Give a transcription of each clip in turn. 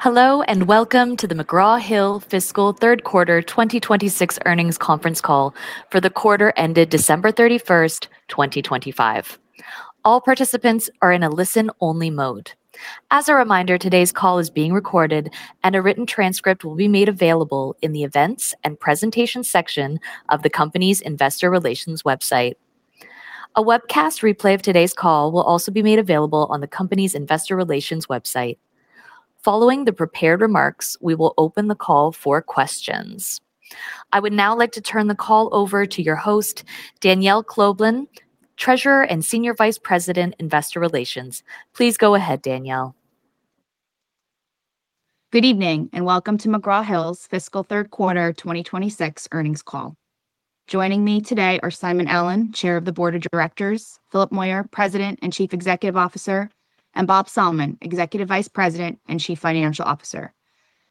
Hello and welcome to the McGraw Hill Fiscal Third Quarter 2026 Earnings Conference Call for the Quarter ended December 31, 2025. All participants are in a listen-only mode. As a reminder, today's call is being recorded, and a written transcript will be made available in the Events and Presentations section of the company's Investor Relations website. A webcast replay of today's call will also be made available on the company's Investor Relations website. Following the prepared remarks, we will open the call for questions. I would now like to turn the call over to your host, Danielle Kloeblen, Treasurer and Senior Vice President, Investor Relations. Please go ahead, Danielle. Good evening and welcome to McGraw Hill's Fiscal Third Quarter 2026 Earnings Call. Joining me today are Simon Allen, Chair of the Board of Directors, Philip Moyer, President and Chief Executive Officer, and Bob Sallmann, Executive Vice President and Chief Financial Officer.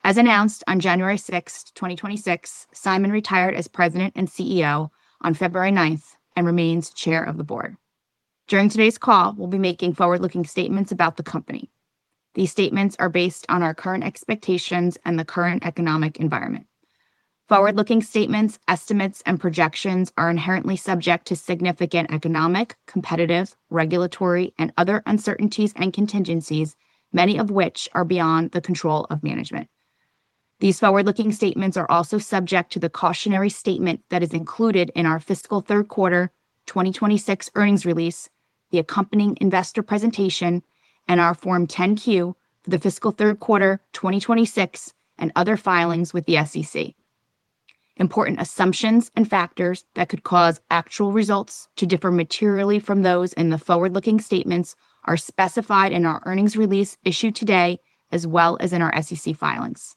As announced on January 6, 2026, Simon retired as President and CEO on February 9 and remains Chair of the Board. During today's call, we'll be making forward-looking statements about the company. These statements are based on our current expectations and the current economic environment. Forward-looking statements, estimates, and projections are inherently subject to significant economic, competitive, regulatory, and other uncertainties and contingencies, many of which are beyond the control of management. These forward-looking statements are also subject to the cautionary statement that is included in our Fiscal Third Quarter 2026 Earnings Release, the accompanying investor presentation, and our Form 10-Q for the Fiscal Third Quarter 2026 and other filings with the SEC. Important assumptions and factors that could cause actual results to differ materially from those in the forward-looking statements are specified in our earnings release issued today as well as in our SEC filings.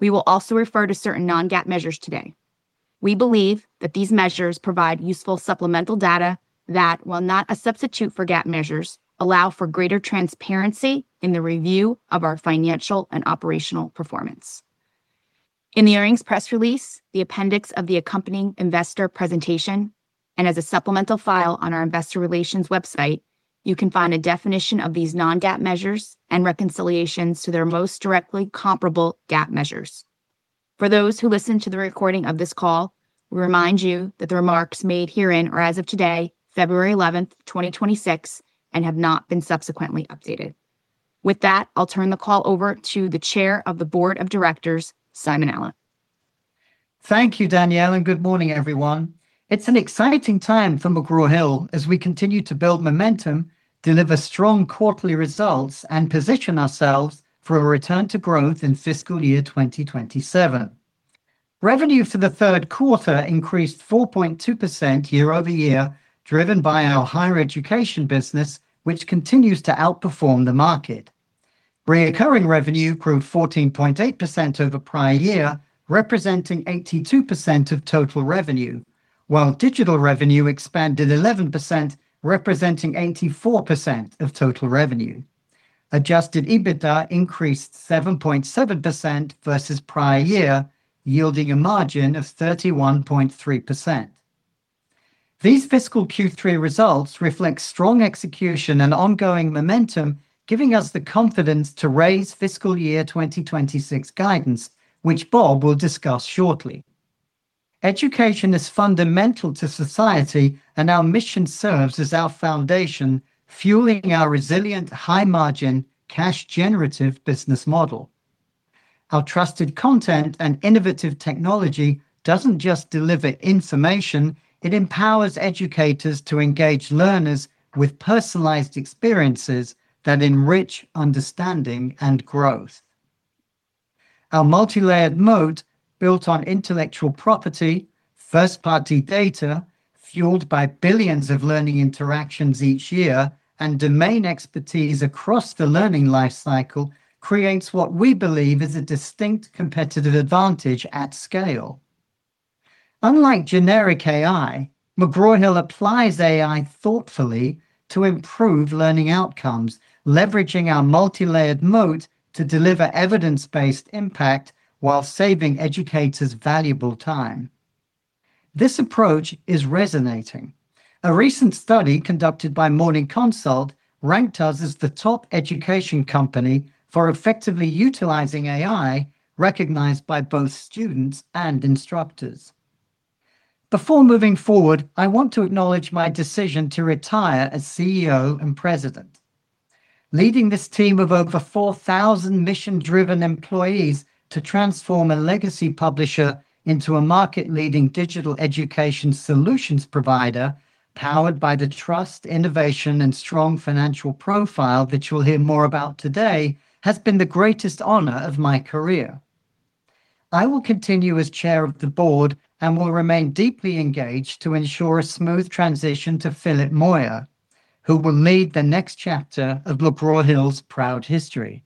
We will also refer to certain non-GAAP measures today. We believe that these measures provide useful supplemental data that, while not a substitute for GAAP measures, allow for greater transparency in the review of our financial and operational performance. In the earnings press release, the appendix of the accompanying investor presentation, and as a supplemental file on our Investor Relations website, you can find a definition of these non-GAAP measures and reconciliations to their most directly comparable GAAP measures. For those who listen to the recording of this call, we remind you that the remarks made herein are as of today, February 11, 2026, and have not been subsequently updated. With that, I'll turn the call over to the Chair of the Board of Directors, Simon Allen. Thank you, Danielle, and good morning, everyone. It's an exciting time for McGraw Hill as we continue to build momentum, deliver strong quarterly results, and position ourselves for a return to growth in fiscal year 2027. Revenue for the third quarter increased 4.2% year-over-year, driven by our higher education business, which continues to outperform the market. Reoccurring revenue grew 14.8% over prior year, representing 82% of total revenue, while digital revenue expanded 11%, representing 84% of total revenue. Adjusted EBITDA increased 7.7% versus prior year, yielding a margin of 31.3%. These fiscal Q3 results reflect strong execution and ongoing momentum, giving us the confidence to raise fiscal year 2026 guidance, which Bob will discuss shortly. Education is fundamental to society, and our mission serves as our foundation, fueling our resilient, high-margin, cash-generative business model. Our trusted content and innovative technology doesn't just deliver information. It empowers educators to engage learners with personalized experiences that enrich understanding and growth. Our multi-layered moat, built on intellectual property, first-party data, fueled by billions of learning interactions each year, and domain expertise across the learning lifecycle, creates what we believe is a distinct competitive advantage at scale. Unlike generic AI, McGraw Hill applies AI thoughtfully to improve learning outcomes, leveraging our multi-layered moat to deliver evidence-based impact while saving educators valuable time. This approach is resonating. A recent study conducted by Morning Consult ranked us as the top education company for effectively utilizing AI, recognized by both students and instructors. Before moving forward, I want to acknowledge my decision to retire as CEO and President, leading this team of over 4,000 mission-driven employees to transform a legacy publisher into a market-leading digital education solutions provider powered by the trust, innovation, and strong financial profile that you'll hear more about today has been the greatest honor of my career. I will continue as Chair of the Board and will remain deeply engaged to ensure a smooth transition to Philip Moyer, who will lead the next chapter of McGraw Hill's proud history.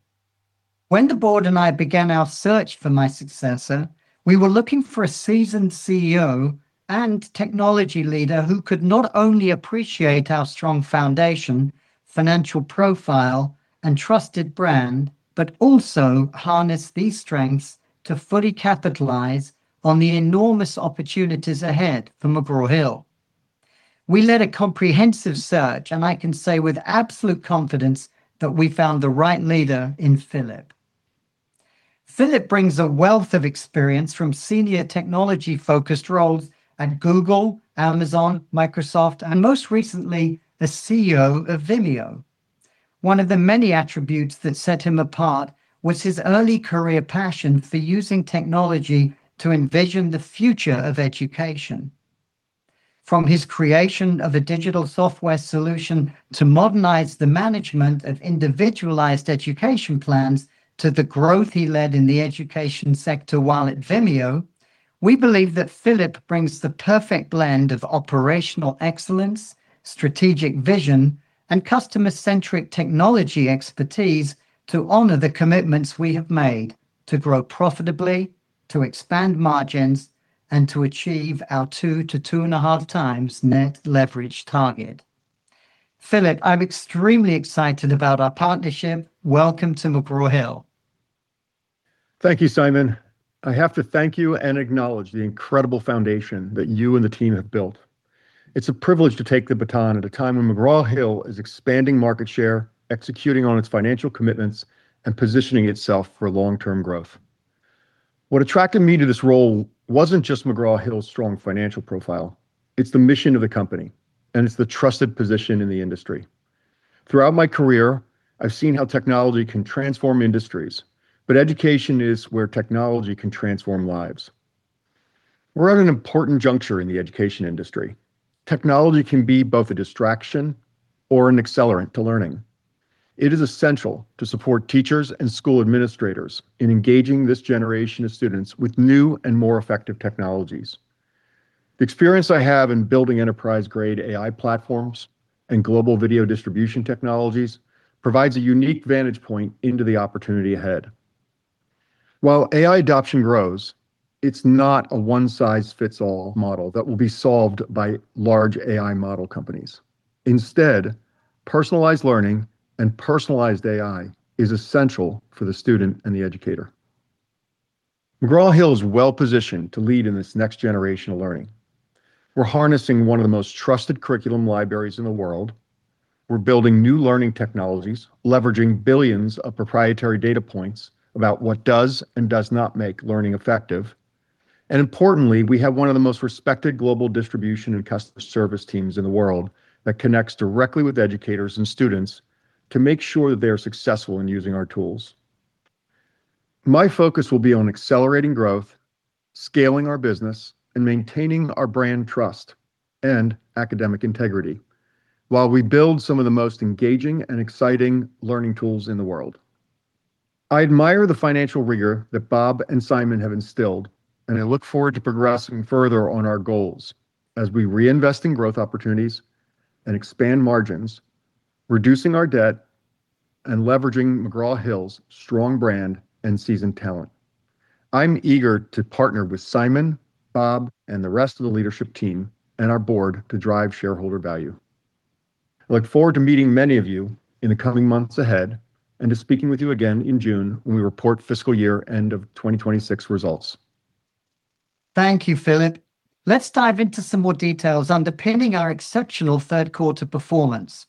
When the board and I began our search for my successor, we were looking for a seasoned CEO and technology leader who could not only appreciate our strong foundation, financial profile, and trusted brand, but also harness these strengths to fully capitalize on the enormous opportunities ahead for McGraw Hill. We led a comprehensive search, and I can say with absolute confidence that we found the right leader in Philip. Philip brings a wealth of experience from senior technology-focused roles at Google, Amazon, Microsoft, and most recently, the CEO of Vimeo. One of the many attributes that set him apart was his early career passion for using technology to envision the future of education. From his creation of a digital software solution to modernize the management of individualized education plans to the growth he led in the education sector while at Vimeo, we believe that Philip brings the perfect blend of operational excellence, strategic vision, and customer-centric technology expertise to honor the commitments we have made to grow profitably, to expand margins, and to achieve our 2-2.5 times net leverage target. Philip, I'm extremely excited about our partnership. Welcome to McGraw Hill. Thank you, Simon. I have to thank you and acknowledge the incredible foundation that you and the team have built. It's a privilege to take the baton at a time when McGraw Hill is expanding market share, executing on its financial commitments, and positioning itself for long-term growth. What attracted me to this role wasn't just McGraw Hill's strong financial profile. It's the mission of the company, and it's the trusted position in the industry. Throughout my career, I've seen how technology can transform industries, but education is where technology can transform lives. We're at an important juncture in the education industry. Technology can be both a distraction or an accelerant to learning. It is essential to support teachers and school administrators in engaging this generation of students with new and more effective technologies. The experience I have in building enterprise-grade AI platforms and global video distribution technologies provides a unique vantage point into the opportunity ahead. While AI adoption grows, it's not a one-size-fits-all model that will be solved by large AI model companies. Instead, personalized learning and personalized AI is essential for the student and the educator. McGraw Hill is well-positioned to lead in this next generation of learning. We're harnessing one of the most trusted curriculum libraries in the world. We're building new learning technologies, leveraging billions of proprietary data points about what does and does not make learning effective. Importantly, we have one of the most respected global distribution and customer service teams in the world that connects directly with educators and students to make sure that they are successful in using our tools. My focus will be on accelerating growth, scaling our business, and maintaining our brand trust and academic integrity while we build some of the most engaging and exciting learning tools in the world. I admire the financial rigor that Bob and Simon have instilled, and I look forward to progressing further on our goals as we reinvest in growth opportunities and expand margins, reducing our debt, and leveraging McGraw Hill's strong brand and seasoned talent. I'm eager to partner with Simon, Bob, and the rest of the leadership team and our board to drive shareholder value. I look forward to meeting many of you in the coming months ahead and to speaking with you again in June when we report fiscal year end of 2026 results. Thank you, Philip. Let's dive into some more details underpinning our exceptional third quarter performance.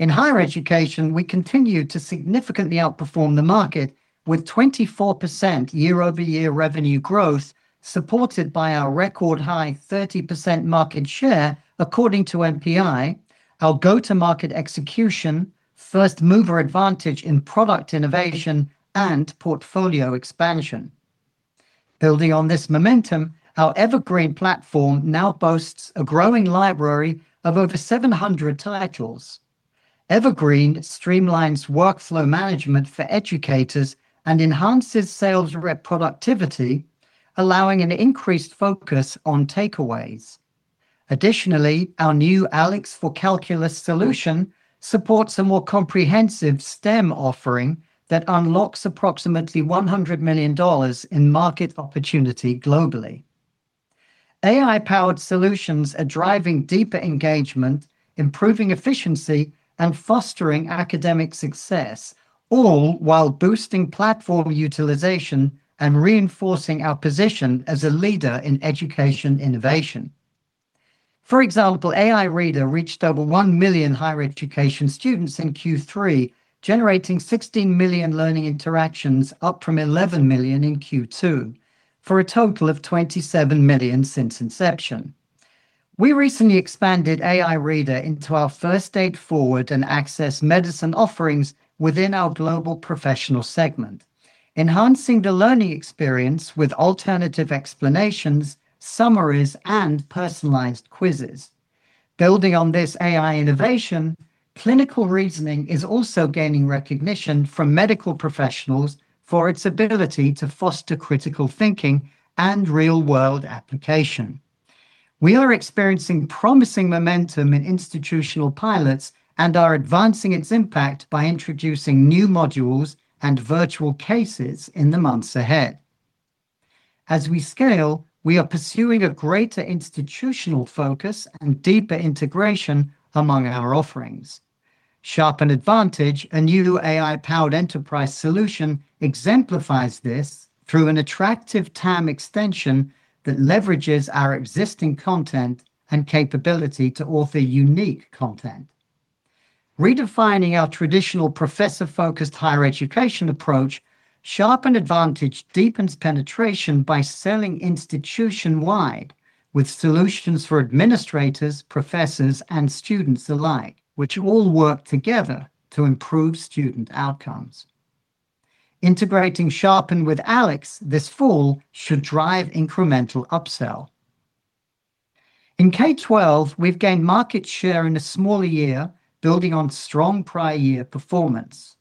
In higher education, we continue to significantly outperform the market with 24% year-over-year revenue growth supported by our record-high 30% market share according to MPI, our go-to-market execution, first-mover advantage in product innovation, and portfolio expansion. Building on this momentum, our Evergreen platform now boasts a growing library of over 700 titles. Evergreen streamlines workflow management for educators and enhances sales productivity, allowing an increased focus on takeaways. Additionally, our new ALEKS for Calculus solution supports a more comprehensive STEM offering that unlocks approximately $100 million in market opportunity globally. AI-powered solutions are driving deeper engagement, improving efficiency, and fostering academic success, all while boosting platform utilization and reinforcing our position as a leader in education innovation. For example, AI Reader reached over 1 million higher education students in Q3, generating 16 million learning interactions up from 11 million in Q2, for a total of 27 million since inception. We recently expanded AI Reader into our First Aid Forward and Access Medicine offerings within our global professional segment, enhancing the learning experience with alternative explanations, summaries, and personalized quizzes. Building on this AI innovation, Clinical Reasoning is also gaining recognition from medical professionals for its ability to foster critical thinking and real-world application. We are experiencing promising momentum in institutional pilots and are advancing its impact by introducing new modules and virtual cases in the months ahead. As we scale, we are pursuing a greater institutional focus and deeper integration among our offerings. Sharpen Advantage, a new AI-powered enterprise solution, exemplifies this through an attractive TAM extension that leverages our existing content and capability to author unique content. Redefining our traditional professor-focused higher education approach, Sharpen Advantage deepens penetration by selling institution-wide with solutions for administrators, professors, and students alike, which all work together to improve student outcomes. Integrating Sharpen with ALEKS this fall should drive incremental upsell. In K-12, we've gained market share in a smaller year, building on strong prior year performance.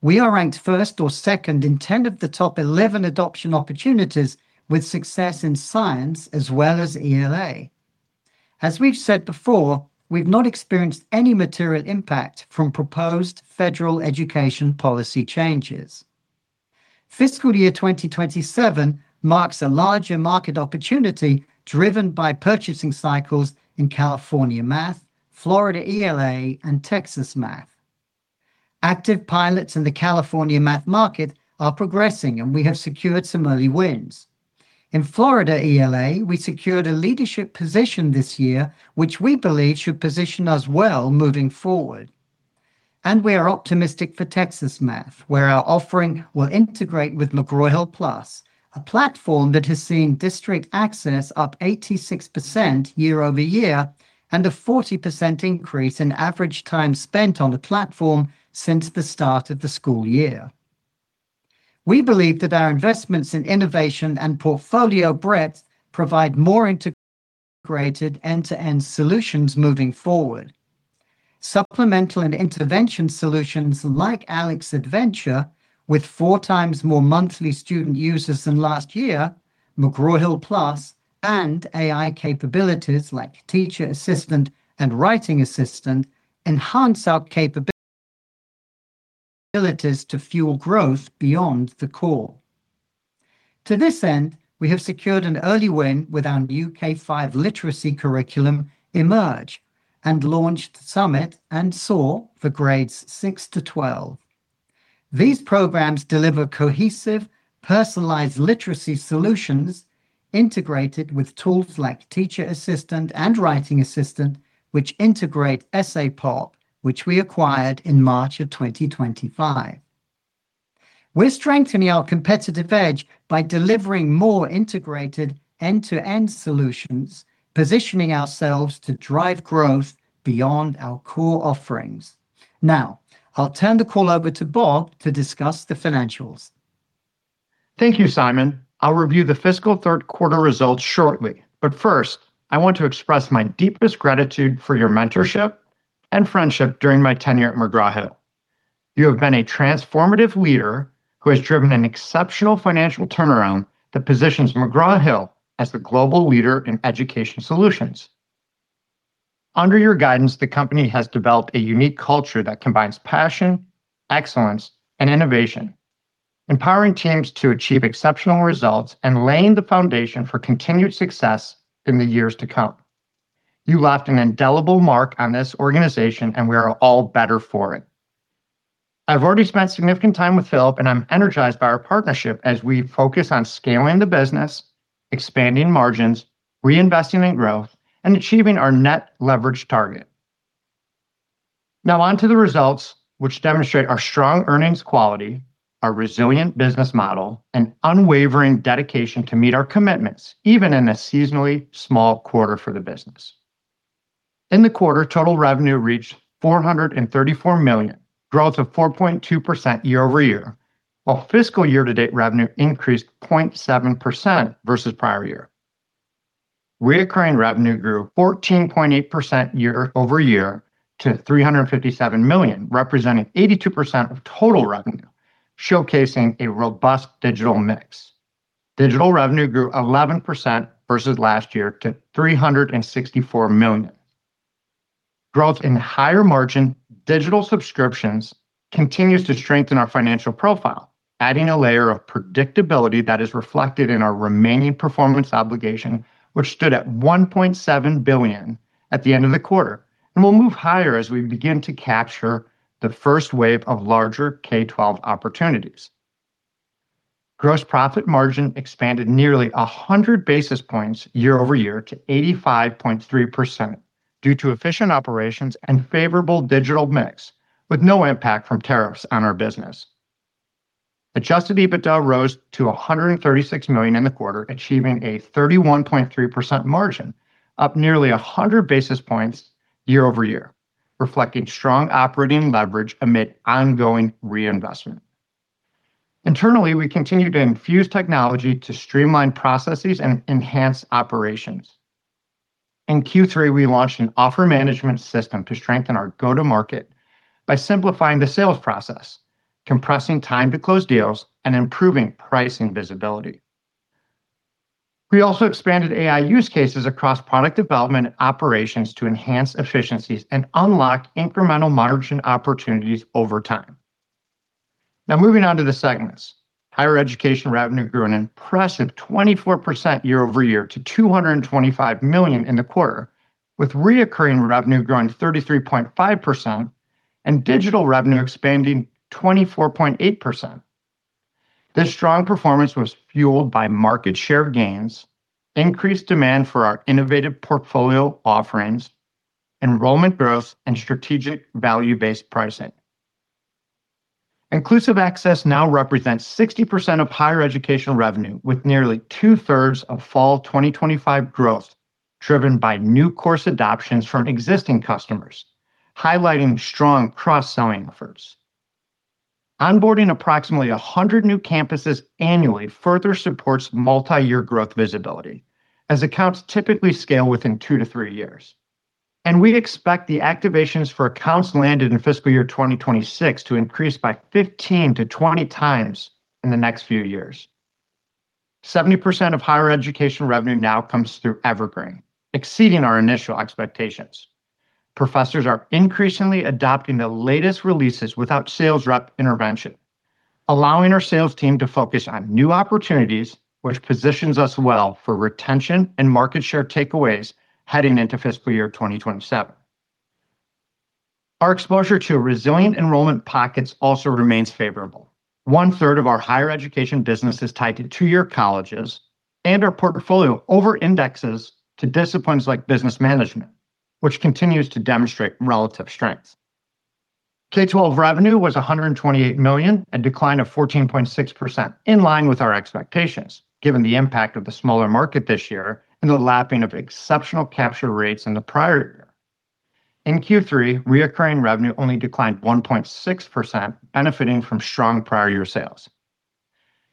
We are ranked first or second in 10 of the top 11 adoption opportunities with success in science as well as ELA. As we've said before, we've not experienced any material impact from proposed federal education policy changes. Fiscal year 2027 marks a larger market opportunity driven by purchasing cycles in California Math, Florida ELA, and Texas Math. Active pilots in the California Math market are progressing, and we have secured some early wins. In Florida ELA, we secured a leadership position this year, which we believe should position us well moving forward. We are optimistic for Texas Math, where our offering will integrate with McGraw Hill Plus, a platform that has seen district access up 86% year-over-year and a 40% increase in average time spent on the platform since the start of the school year. We believe that our investments in innovation and portfolio breadth provide more integrated end-to-end solutions moving forward. Supplemental and intervention solutions like ALEKS Adventure, with four times more monthly student users than last year, McGraw Hill Plus, and AI capabilities like Teacher Assistant and Writing Assistant enhance our capabilities to fuel growth beyond the core. To this end, we have secured an early win with our new K-5 literacy curriculum, Emerge, and launched Summit! and Soar! for grades 6 to 12. These programs deliver cohesive, personalized literacy solutions integrated with tools like Teacher Assistant and Writing Assistant, which integrate EssayPop, which we acquired in March of 2025. We're strengthening our competitive edge by delivering more integrated end-to-end solutions, positioning ourselves to drive growth beyond our core offerings. Now, I'll turn the call over to Bob to discuss the financials. Thank you, Simon. I'll review the fiscal third quarter results shortly, but first, I want to express my deepest gratitude for your mentorship and friendship during my tenure at McGraw Hill. You have been a transformative leader who has driven an exceptional financial turnaround that positions McGraw Hill as the global leader in education solutions. Under your guidance, the company has developed a unique culture that combines passion, excellence, and innovation, empowering teams to achieve exceptional results and laying the foundation for continued success in the years to come. You left an indelible mark on this organization, and we are all better for it. I've already spent significant time with Philip, and I'm energized by our partnership as we focus on scaling the business, expanding margins, reinvesting in growth, and achieving our net leverage target. Now onto the results, which demonstrate our strong earnings quality, our resilient business model, and unwavering dedication to meet our commitments, even in a seasonally small quarter for the business. In the quarter, total revenue reached $434 million, growth of 4.2% year-over-year, while fiscal year-to-date revenue increased 0.7% versus prior year. Recurring revenue grew 14.8% year-over-year to $357 million, representing 82% of total revenue, showcasing a robust digital mix. Digital revenue grew 11% versus last year to $364 million. Growth in higher margin digital subscriptions continues to strengthen our financial profile, adding a layer of predictability that is reflected in our remaining performance obligation, which stood at $1.7 billion at the end of the quarter and will move higher as we begin to capture the first wave of larger K-12 opportunities. Gross profit margin expanded nearly 100 basis points year-over-year to 85.3% due to efficient operations and favorable digital mix, with no impact from tariffs on our business. Adjusted EBITDA rose to $136 million in the quarter, achieving a 31.3% margin, up nearly 100 basis points year-over-year, reflecting strong operating leverage amid ongoing reinvestment. Internally, we continue to infuse technology to streamline processes and enhance operations. In Q3, we launched an offer management system to strengthen our go-to-market by simplifying the sales process, compressing time to close deals, and improving pricing visibility. We also expanded AI use cases across product development and operations to enhance efficiencies and unlock incremental margin opportunities over time. Now moving on to the segments. Higher education revenue grew an impressive 24% year-over-year to $225 million in the quarter, with reoccurring revenue growing 33.5% and digital revenue expanding 24.8%. This strong performance was fueled by market share gains, increased demand for our innovative portfolio offerings, enrollment growth, and strategic value-based pricing. Inclusive Access now represents 60% of higher education revenue, with nearly two-thirds of fall 2025 growth driven by new course adoptions from existing customers, highlighting strong cross-selling efforts. Onboarding approximately 100 new campuses annually further supports multi-year growth visibility, as accounts typically scale within two to three years. We expect the activations for accounts landed in fiscal year 2026 to increase by 15-20 times in the next few years. 70% of higher education revenue now comes through Evergreen, exceeding our initial expectations. Professors are increasingly adopting the latest releases without sales rep intervention, allowing our sales team to focus on new opportunities, which positions us well for retention and market share takeaways heading into fiscal year 2027. Our exposure to resilient enrollment pockets also remains favorable. One-third of our higher education business is tied to two-year colleges, and our portfolio over-indexes to disciplines like business management, which continues to demonstrate relative strength. K-12 revenue was $128 million and declined 14.6%, in line with our expectations, given the impact of the smaller market this year and the lapping of exceptional capture rates in the prior year. In Q3, reoccurring revenue only declined 1.6%, benefiting from strong prior year sales.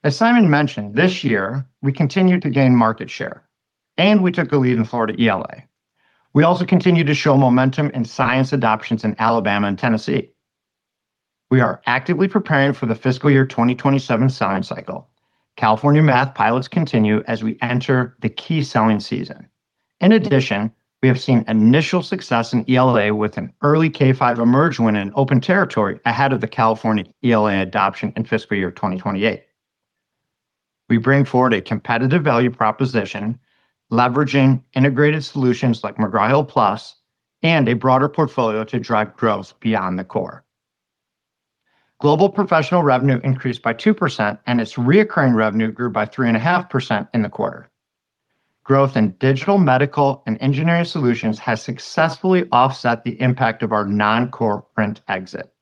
As Simon mentioned, this year we continue to gain market share, and we took the lead in Florida ELA. We also continue to show momentum in science adoptions in Alabama and Tennessee. We are actively preparing for the fiscal year 2027 science cycle. California Math pilots continue as we enter the key selling season. In addition, we have seen initial success in ELA with an early K-5 Emerge win in open territory ahead of the California ELA adoption in fiscal year 2028. We bring forward a competitive value proposition, leveraging integrated solutions like McGraw Hill Plus and a broader portfolio to drive growth beyond the core. Global professional revenue increased by 2%, and its recurring revenue grew by 3.5% in the quarter. Growth in digital medical and engineering solutions has successfully offset the impact of our non-core print exit.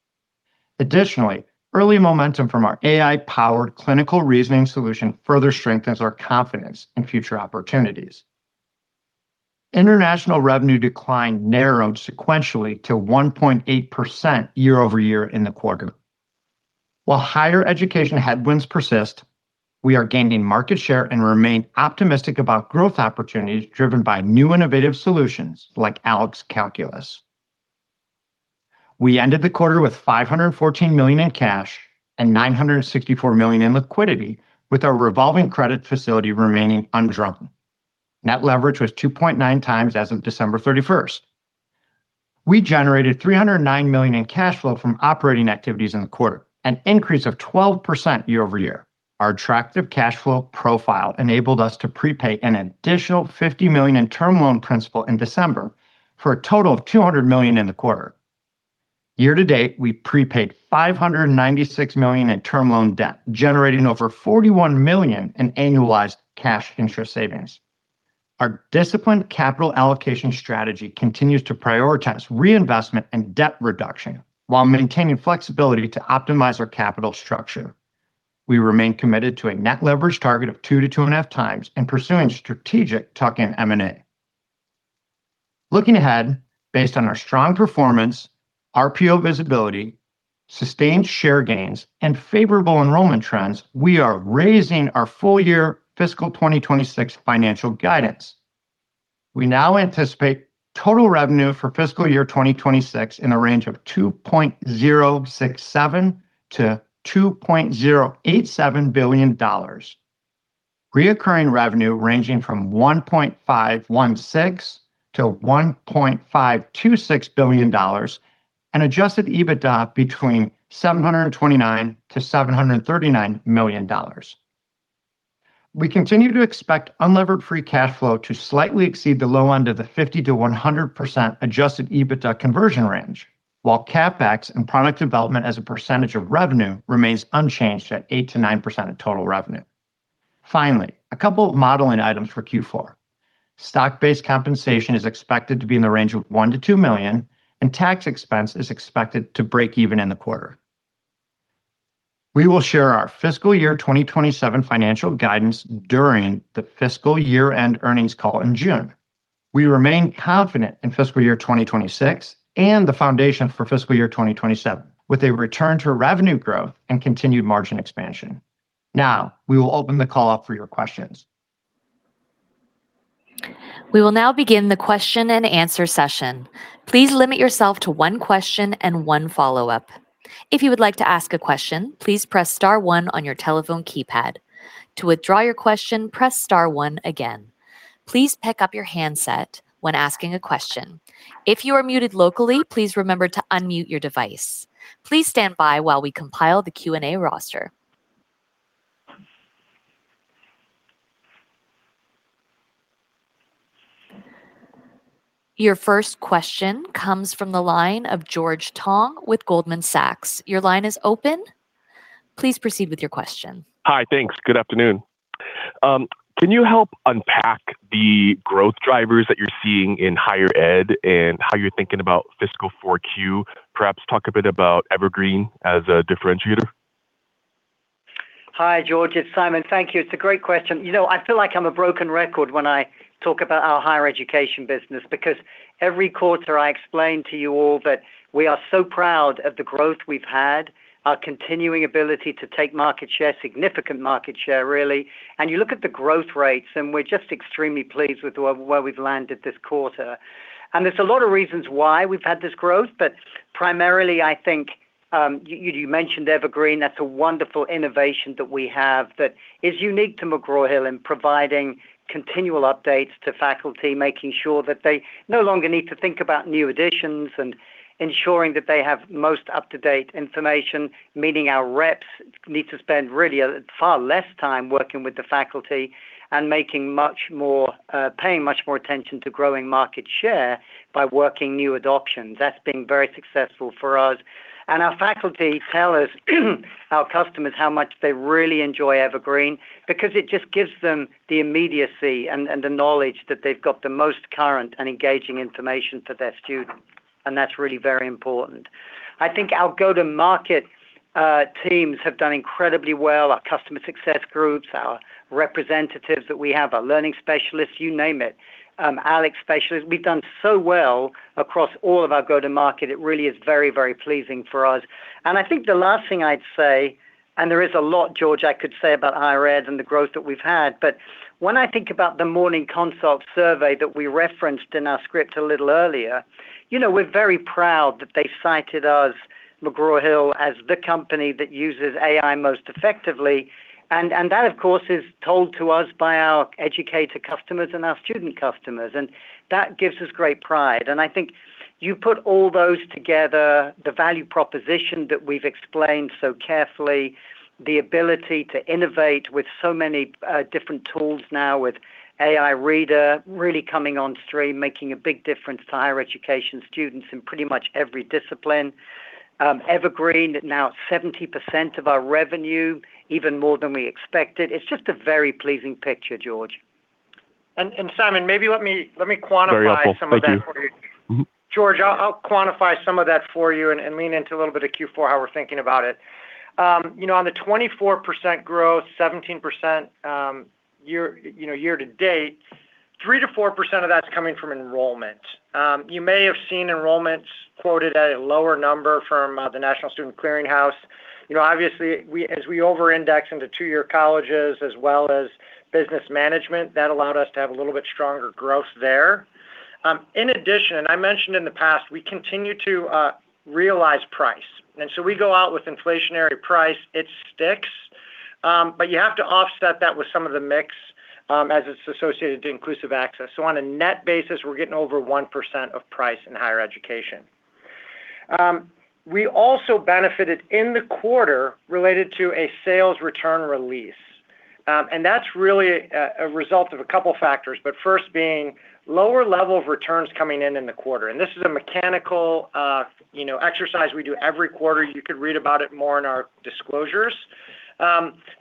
Additionally, early momentum from our AI-powered Clinical Reasoning solution further strengthens our confidence in future opportunities. International revenue decline narrowed sequentially to 1.8% year-over-year in the quarter. While higher education headwinds persist, we are gaining market share and remain optimistic about growth opportunities driven by new innovative solutions like ALEKS for Calculus. We ended the quarter with $514 million in cash and $964 million in liquidity, with our revolving credit facility remaining undrawn. Net leverage was 2.9 times as of December 31st. We generated $309 million in cash flow from operating activities in the quarter, an increase of 12% year over year. Our attractive cash flow profile enabled us to prepay an additional $50 million in term loan principal in December for a total of $200 million in the quarter. Year to date, we prepaid $596 million in term loan debt, generating over $41 million in annualized cash interest savings. Our disciplined capital allocation strategy continues to prioritize reinvestment and debt reduction while maintaining flexibility to optimize our capital structure. We remain committed to a net leverage target of 2-2.5 times and pursuing strategic tuck-in M&A. Looking ahead, based on our strong performance, RPO visibility, sustained share gains, and favorable enrollment trends, we are raising our full-year fiscal 2026 financial guidance. We now anticipate total revenue for fiscal year 2026 in the range of $2.067-$2.087 billion, reoccurring revenue ranging from $1.516-$1.526 billion, and Adjusted EBITDA between $729-$739 million. We continue to expect Unlevered Free Cash Flow to slightly exceed the low end of the 50%-100% Adjusted EBITDA conversion range, while CapEx and product development as a percentage of revenue remain unchanged at 8%-9% of total revenue. Finally, a couple of modeling items for Q4. Stock-based compensation is expected to be in the range of $1-$2 million, and tax expense is expected to break even in the quarter. We will share our fiscal year 2027 financial guidance during the fiscal year-end earnings call in June. We remain confident in fiscal year 2026 and the foundation for fiscal year 2027, with a return to revenue growth and continued margin expansion. Now we will open the call up for your questions. We will now begin the question and answer session. Please limit yourself to one question and one follow-up. If you would like to ask a question, please press star one on your telephone keypad. To withdraw your question, press star one again. Please pick up your handset when asking a question. If you are muted locally, please remember to unmute your device. Please stand by while we compile the Q&A roster. Your first question comes from the line of George Tong with Goldman Sachs. Your line is open. Please proceed with your question. Hi, thanks. Good afternoon. Can you help unpack the growth drivers that you're seeing in higher ed and how you're thinking about fiscal 4Q? Perhaps talk a bit about Evergreen as a differentiator. Hi, George. It's Simon. Thank you. It's a great question. You know, I feel like I'm a broken record when I talk about our higher education business because every quarter I explain to you all that we are so proud of the growth we've had, our continuing ability to take market share, significant market share, really. And you look at the growth rates, and we're just extremely pleased with where we've landed this quarter. And there's a lot of reasons why we've had this growth, but primarily, I think you mentioned Evergreen. That's a wonderful innovation that we have that is unique to McGraw Hill in providing continual updates to faculty, making sure that they no longer need to think about new editions and ensuring that they have the most up-to-date information, meaning our reps need to spend really far less time working with the faculty and paying much more attention to growing market share by working new adoptions. That's been very successful for us. Our faculty tell us, our customers, how much they really enjoy Evergreen because it just gives them the immediacy and the knowledge that they've got the most current and engaging information for their students. That's really very important. I think our go-to-market teams have done incredibly well. Our customer success groups, our representatives that we have, our learning specialists, you name it, ALEKS specialists, we've done so well across all of our go-to-market. It really is very, very pleasing for us. And I think the last thing I'd say, and there is a lot, George, I could say about higher ed and the growth that we've had, but when I think about the Morning Consult survey that we referenced in our script a little earlier, we're very proud that they cited us, McGraw Hill, as the company that uses AI most effectively. And that, of course, is told to us by our educator customers and our student customers. And that gives us great pride. And I think you put all those together, the value proposition that we've explained so carefully, the ability to innovate with so many different tools now, with AI Reader really coming on stream, making a big difference to higher education students in pretty much every discipline. Evergreen, now 70% of our revenue, even more than we expected. It's just a very pleasing picture, George. Simon, maybe let me quantify some of that for you. George, I'll quantify some of that for you and lean into a little bit of Q4, how we're thinking about it. On the 24% growth, 17% year-to-date, 3%-4% of that's coming from enrollment. You may have seen enrollments quoted at a lower number from the National Student Clearinghouse. Obviously, as we over-index into two-year colleges as well as business management, that allowed us to have a little bit stronger growth there. In addition, and I mentioned in the past, we continue to realize price. And so we go out with inflationary price. It sticks. But you have to offset that with some of the mix as it's associated to Inclusive Access. So on a net basis, we're getting over 1% of price in higher education. We also benefited in the quarter related to a sales return release. And that's really a result of a couple of factors, but first being lower level of returns coming in in the quarter. And this is a mechanical exercise we do every quarter. You could read about it more in our disclosures.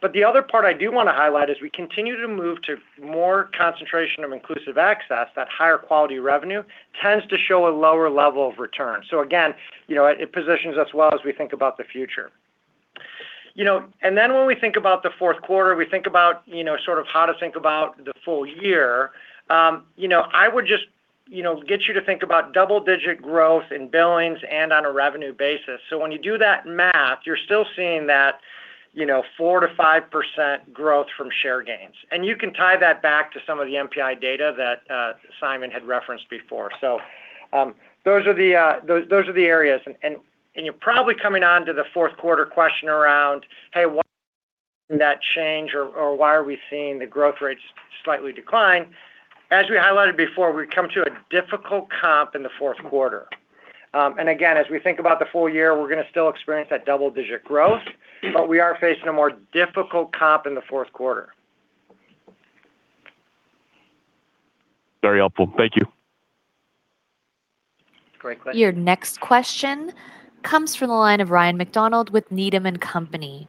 But the other part I do want to highlight is we continue to move to more concentration of Inclusive Access. That higher quality revenue tends to show a lower level of return. So again, it positions us well as we think about the future. And then when we think about the fourth quarter, we think about sort of how to think about the full year. I would just get you to think about double-digit growth in billings and on a revenue basis. When you do that math, you're still seeing that 4%-5% growth from share gains. You can tie that back to some of the MPI data that Simon had referenced before. Those are the areas. You're probably coming on to the fourth quarter question around, "Hey, why is that change or why are we seeing the growth rates slightly decline?" As we highlighted before, we've come to a difficult comp in the fourth quarter. Again, as we think about the full year, we're going to still experience that double-digit growth, but we are facing a more difficult comp in the fourth quarter. Very helpful. Thank you. Great question. Your next question comes from the line of Ryan McDonald with Needham & Company.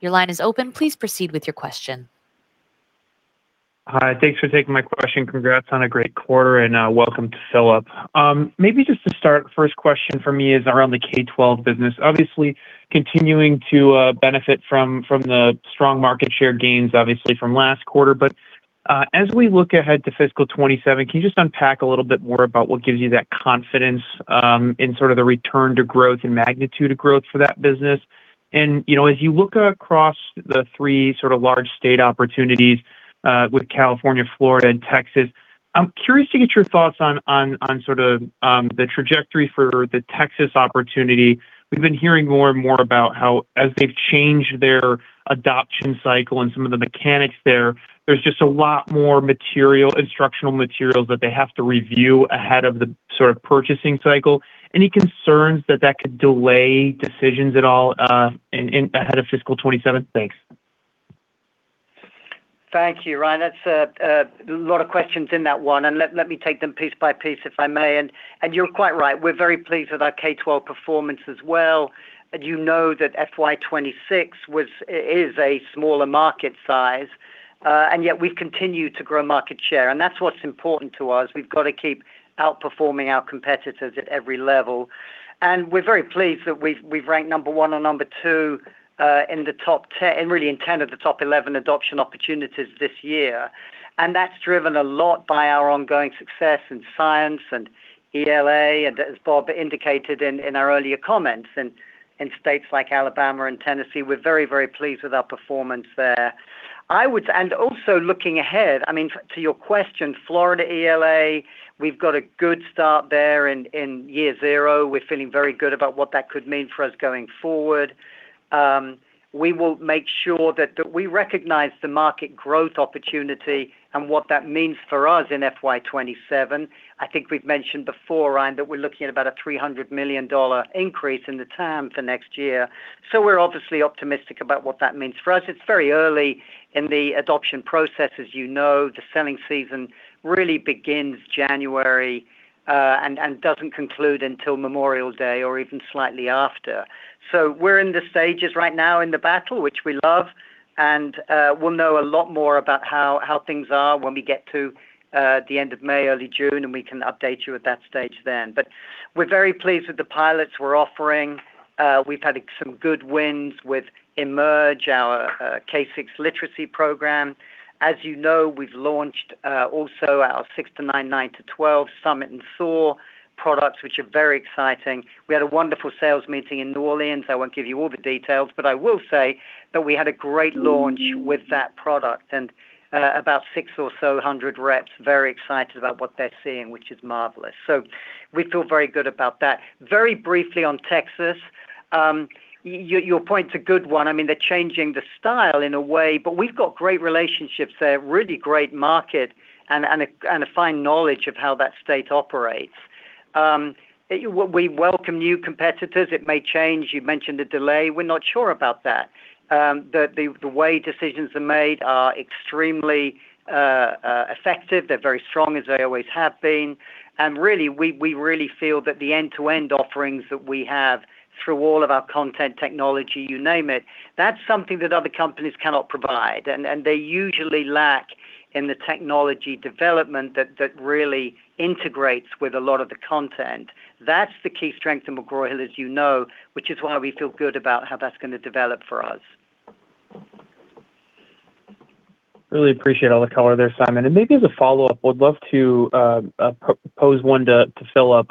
Your line is open. Please proceed with your question. Hi. Thanks for taking my question. Congrats on a great quarter and welcome to Philip. Maybe just to start, first question for me is around the K-12 business. Obviously, continuing to benefit from the strong market share gains, obviously, from last quarter. But as we look ahead to fiscal 2027, can you just unpack a little bit more about what gives you that confidence in sort of the return to growth and magnitude of growth for that business? And as you look across the three sort of large state opportunities with California, Florida, and Texas, I'm curious to get your thoughts on sort of the trajectory for the Texas opportunity. We've been hearing more and more about how as they've changed their adoption cycle and some of the mechanics there, there's just a lot more instructional materials that they have to review ahead of the sort of purchasing cycle. Any concerns that could delay decisions at all ahead of fiscal 2027? Thanks. Thank you, Ryan. That's a lot of questions in that one. And let me take them piece by piece, if I may. And you're quite right. We're very pleased with our K-12 performance as well. You know that FY26 is a smaller market size, and yet we've continued to grow market share. And that's what's important to us. We've got to keep outperforming our competitors at every level. And we're very pleased that we've ranked number one or number two in the top 10 and really in 10 of the top 11 adoption opportunities this year. And that's driven a lot by our ongoing success in science and ELA. And as Bob indicated in our earlier comments in states like Alabama and Tennessee, we're very, very pleased with our performance there. Also looking ahead, I mean, to your question, Florida, ELA, we've got a good start there in year zero. We're feeling very good about what that could mean for us going forward. We will make sure that we recognize the market growth opportunity and what that means for us in FY 2027. I think we've mentioned before, Ryan, that we're looking at about a $300 million increase in the term for next year. So we're obviously optimistic about what that means for us. It's very early in the adoption process, as you know. The selling season really begins January and doesn't conclude until Memorial Day or even slightly after. So we're in the stages right now in the battle, which we love. We'll know a lot more about how things are when we get to the end of May, early June, and we can update you at that stage then. But we're very pleased with the pilots we're offering. We've had some good wins with Emerge, our K-6 literacy program. As you know, we've launched also our six to nine, nine to 12 Summit! and Soar! products, which are very exciting. We had a wonderful sales meeting in New Orleans. I won't give you all the details, but I will say that we had a great launch with that product and about 600 reps very excited about what they're seeing, which is marvelous. So we feel very good about that. Very briefly on Texas, your point's a good one. I mean, they're changing the style in a way, but we've got great relationships there, really great market, and a fine knowledge of how that state operates. We welcome new competitors. It may change. You mentioned the delay. We're not sure about that. The way decisions are made are extremely effective. They're very strong, as they always have been. And really, we really feel that the end-to-end offerings that we have through all of our content, technology, you name it, that's something that other companies cannot provide. And they usually lack in the technology development that really integrates with a lot of the content. That's the key strength of McGraw Hill, as you know, which is why we feel good about how that's going to develop for us. Really appreciate all the color there, Simon. Maybe as a follow-up, I would love to propose one to Philip.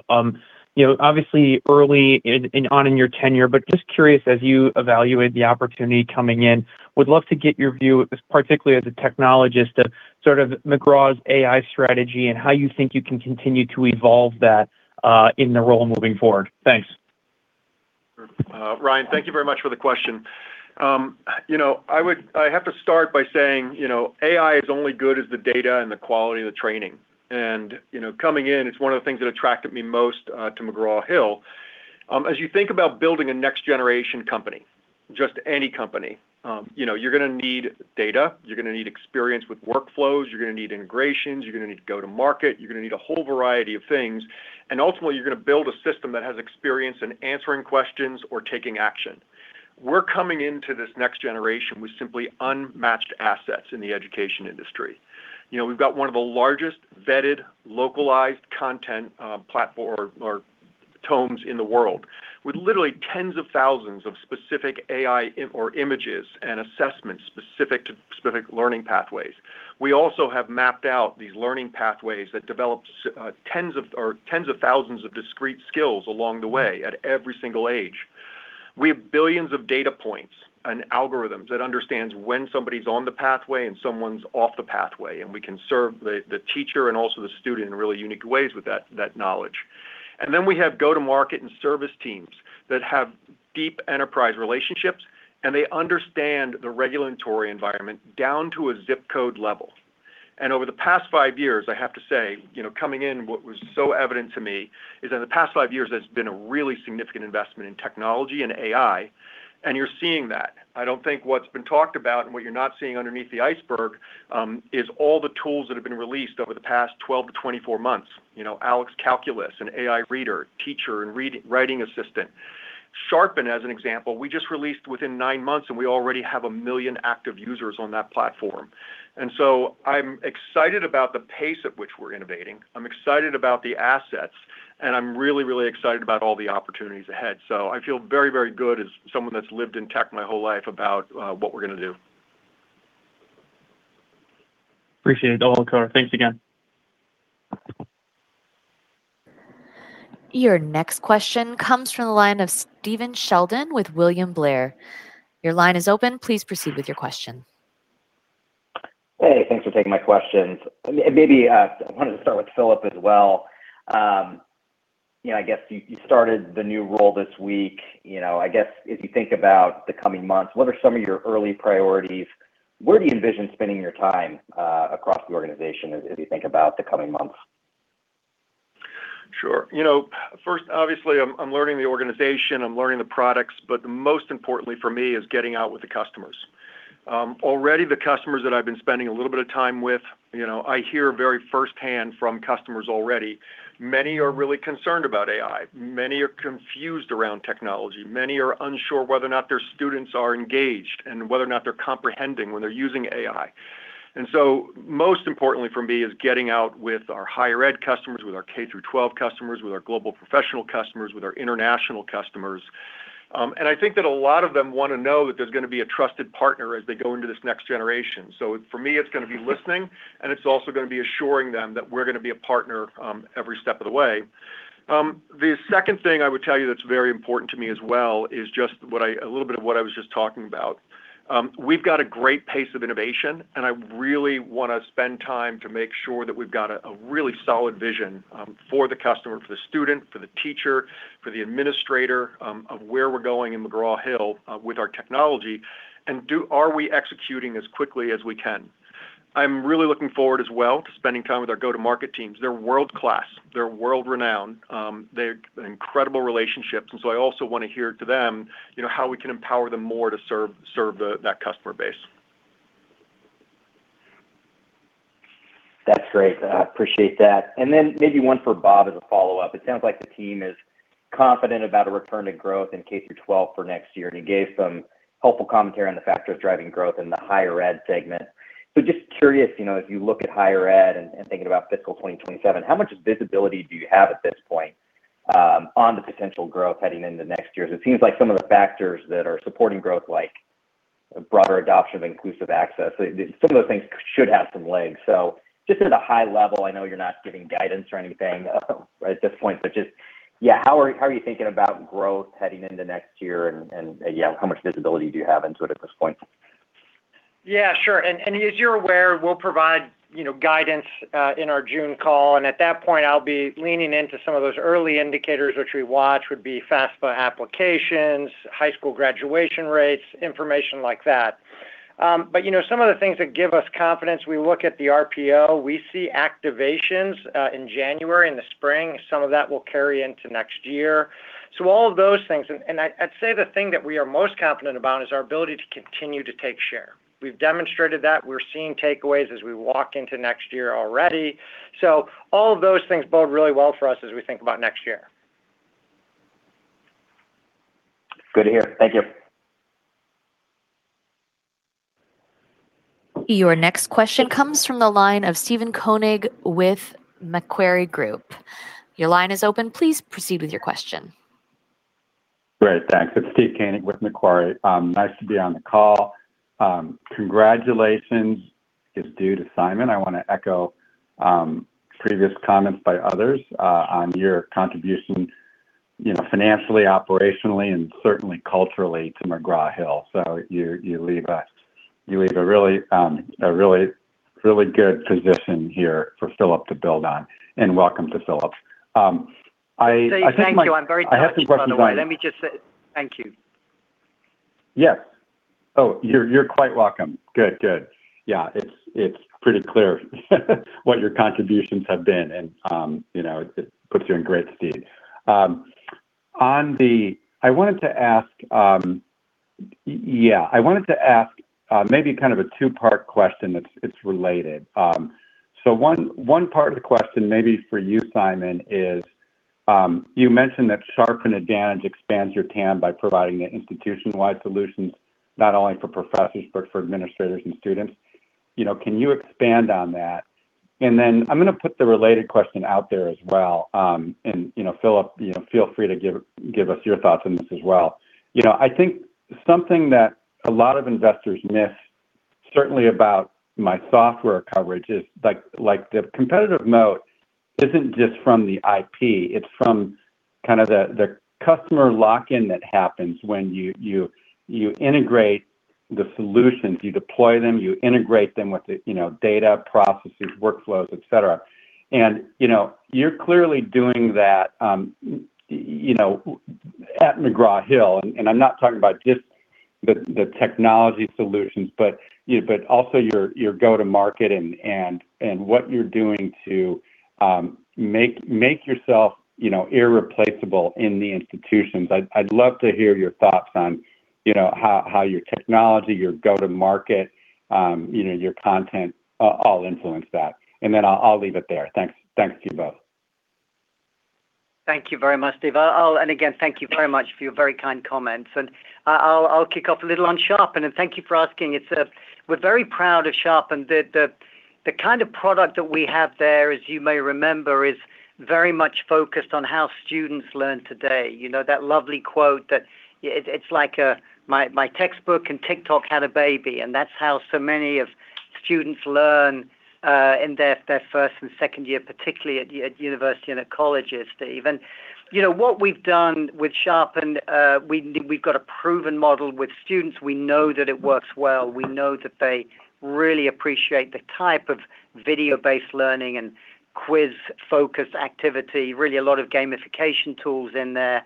Obviously, early on in your tenure, but just curious, as you evaluate the opportunity coming in, I would love to get your view, particularly as a technologist, of sort of McGraw's AI strategy and how you think you can continue to evolve that in the role moving forward. Thanks. Ryan, thank you very much for the question. I have to start by saying AI is only good as the data and the quality of the training. And coming in, it's one of the things that attracted me most to McGraw Hill. As you think about building a next-generation company, just any company, you're going to need data. You're going to need experience with workflows. You're going to need integrations. You're going to need go-to-market. You're going to need a whole variety of things. And ultimately, you're going to build a system that has experience in answering questions or taking action. We're coming into this next generation with simply unmatched assets in the education industry. We've got one of the largest vetted, localized content platforms or tomes in the world with literally tens of thousands of specific AI or images and assessments specific to specific learning pathways. We also have mapped out these learning pathways that develop tens of thousands of discrete skills along the way at every single age. We have billions of data points and algorithms that understand when somebody's on the pathway and someone's off the pathway. We can serve the teacher and also the student in really unique ways with that knowledge. Then we have go-to-market and service teams that have deep enterprise relationships, and they understand the regulatory environment down to a zip code level. Over the past five years, I have to say, coming in, what was so evident to me is in the past five years, there's been a really significant investment in technology and AI. And you're seeing that. I don't think what's been talked about and what you're not seeing underneath the iceberg is all the tools that have been released over the past 12-24 months. ALEKS for Calculus, an AI Reader, Teacher Assistant, and Writing Assistant. Sharpen, as an example, we just released within 9 months, and we already have 1 million active users on that platform. So I'm excited about the pace at which we're innovating. I'm excited about the assets, and I'm really, really excited about all the opportunities ahead. So I feel very, very good as someone that's lived in tech my whole life about what we're going to do. Appreciate it all, Carter. Thanks again. Your next question comes from the line of Stephen Sheldon with William Blair. Your line is open. Please proceed with your question. Hey, thanks for taking my questions. Maybe I wanted to start with Philip as well. I guess you started the new role this week. I guess as you think about the coming months, what are some of your early priorities? Where do you envision spending your time across the organization as you think about the coming months? Sure. First, obviously, I'm learning the organization. I'm learning the products. But most importantly for me is getting out with the customers. Already, the customers that I've been spending a little bit of time with, I hear very firsthand from customers already, many are really concerned about AI. Many are confused around technology. Many are unsure whether or not their students are engaged and whether or not they're comprehending when they're using AI. And so most importantly for me is getting out with our higher ed customers, with our K through 12 customers, with our global professional customers, with our international customers. And I think that a lot of them want to know that there's going to be a trusted partner as they go into this next generation. So for me, it's going to be listening, and it's also going to be assuring them that we're going to be a partner every step of the way. The second thing I would tell you that's very important to me as well is just a little bit of what I was just talking about. We've got a great pace of innovation, and I really want to spend time to make sure that we've got a really solid vision for the customer, for the student, for the teacher, for the administrator of where we're going in McGraw Hill with our technology. And are we executing as quickly as we can? I'm really looking forward as well to spending time with our go-to-market teams. They're world-class. They're world-renowned. They have incredible relationships. And so I also want to hear from them how we can empower them more to serve that customer base. That's great. I appreciate that. And then maybe one for Bob as a follow-up. It sounds like the team is confident about a return to growth in K through 12 for next year. And you gave some helpful commentary on the factors driving growth in the higher ed segment. So just curious, as you look at higher ed and thinking about fiscal 2027, how much visibility do you have at this point on the potential growth heading into next year? Because it seems like some of the factors that are supporting growth, like broader adoption of Inclusive Access, some of those things should have some legs. So just at a high level, I know you're not giving guidance or anything at this point, but just, yeah, how are you thinking about growth heading into next year and, yeah, how much visibility do you have into it at this point? Yeah, sure. As you're aware, we'll provide guidance in our June call. At that point, I'll be leaning into some of those early indicators, which we watch, would be FAFSA applications, high school graduation rates, information like that. But some of the things that give us confidence, we look at the RPO. We see activations in January, in the spring. Some of that will carry into next year. So all of those things. I'd say the thing that we are most confident about is our ability to continue to take share. We've demonstrated that. We're seeing takeaways as we walk into next year already. So all of those things bode really well for us as we think about next year. Good to hear. Thank you. Your next question comes from the line of Steven Koenig with Macquarie Group. Your line is open. Please proceed with your question. Great. Thanks. It's Steve Koenig with Macquarie. Nice to be on the call. Congratulations is due to Simon. I want to echo previous comments by others on your contribution financially, operationally, and certainly culturally to McGraw Hill. So you leave a really good position here for Philip to build on. And welcome to Philip. I think my. So, thank you. I'm very thankful. I have some questions on the way. Let me just say thank you. Yes. Oh, you're quite welcome. Good, good. Yeah, it's pretty clear what your contributions have been, and it puts you in great stead. I wanted to ask yeah, I wanted to ask maybe kind of a two-part question that's related. So one part of the question maybe for you, Simon, is you mentioned that Sharpen Advantage expands your TAM by providing the institution-wide solutions, not only for professors, but for administrators and students. Can you expand on that? And then I'm going to put the related question out there as well. And Philip, feel free to give us your thoughts on this as well. I think something that a lot of investors miss, certainly about my software coverage, is the competitive moat isn't just from the IP. It's from kind of the customer lock-in that happens when you integrate the solutions. You deploy them. You integrate them with the data, processes, workflows, etc. You're clearly doing that at McGraw Hill. I'm not talking about just the technology solutions, but also your go-to-market and what you're doing to make yourself irreplaceable in the institutions. I'd love to hear your thoughts on how your technology, your go-to-market, your content all influence that. Then I'll leave it there. Thanks to you both. Thank you very much, Steve. And again, thank you very much for your very kind comments. And I'll kick off a little on Sharpen. And thank you for asking. We're very proud of Sharpen. The kind of product that we have there, as you may remember, is very much focused on how students learn today. That lovely quote that it's like my textbook and TikTok had a baby. And that's how so many of students learn in their first and second year, particularly at university and at colleges, Steve. And what we've done with Sharpen, we've got a proven model with students. We know that it works well. We know that they really appreciate the type of video-based learning and quiz-focused activity, really a lot of gamification tools in there.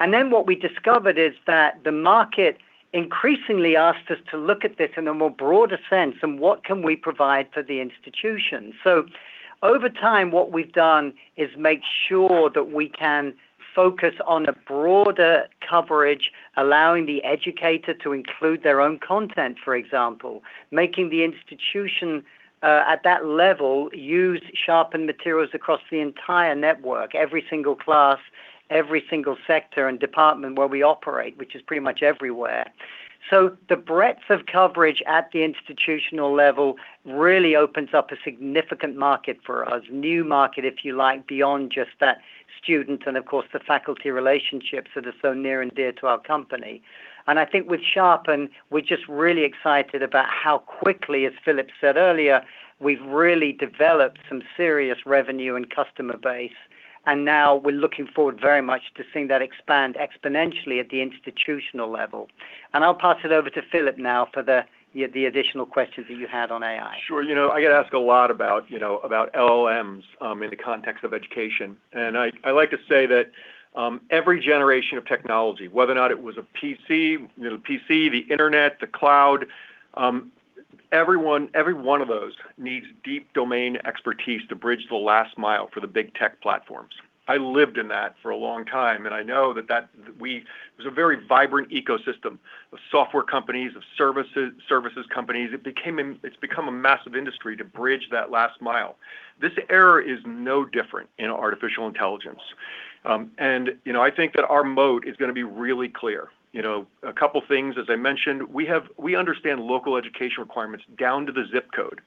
And then what we discovered is that the market increasingly asks us to look at this in a more broader sense and what can we provide for the institution. So over time, what we've done is make sure that we can focus on a broader coverage, allowing the educator to include their own content, for example, making the institution at that level use Sharpen materials across the entire network, every single class, every single sector and department where we operate, which is pretty much everywhere. So the breadth of coverage at the institutional level really opens up a significant market for us, new market, if you like, beyond just that student and, of course, the faculty relationships that are so near and dear to our company. I think with Sharpen, we're just really excited about how quickly, as Philip said earlier, we've really developed some serious revenue and customer base. Now we're looking forward very much to seeing that expand exponentially at the institutional level. I'll pass it over to Philip now for the additional questions that you had on AI. Sure. I got to ask a lot about LLMs in the context of education. I like to say that every generation of technology, whether or not it was a PC, the internet, the cloud, every one of those needs deep domain expertise to bridge the last mile for the big tech platforms. I lived in that for a long time. I know that it was a very vibrant ecosystem of software companies, of services companies. It's become a massive industry to bridge that last mile. This era is no different in artificial intelligence. I think that our moat is going to be really clear. A couple of things, as I mentioned, we understand local education requirements down to the zip code.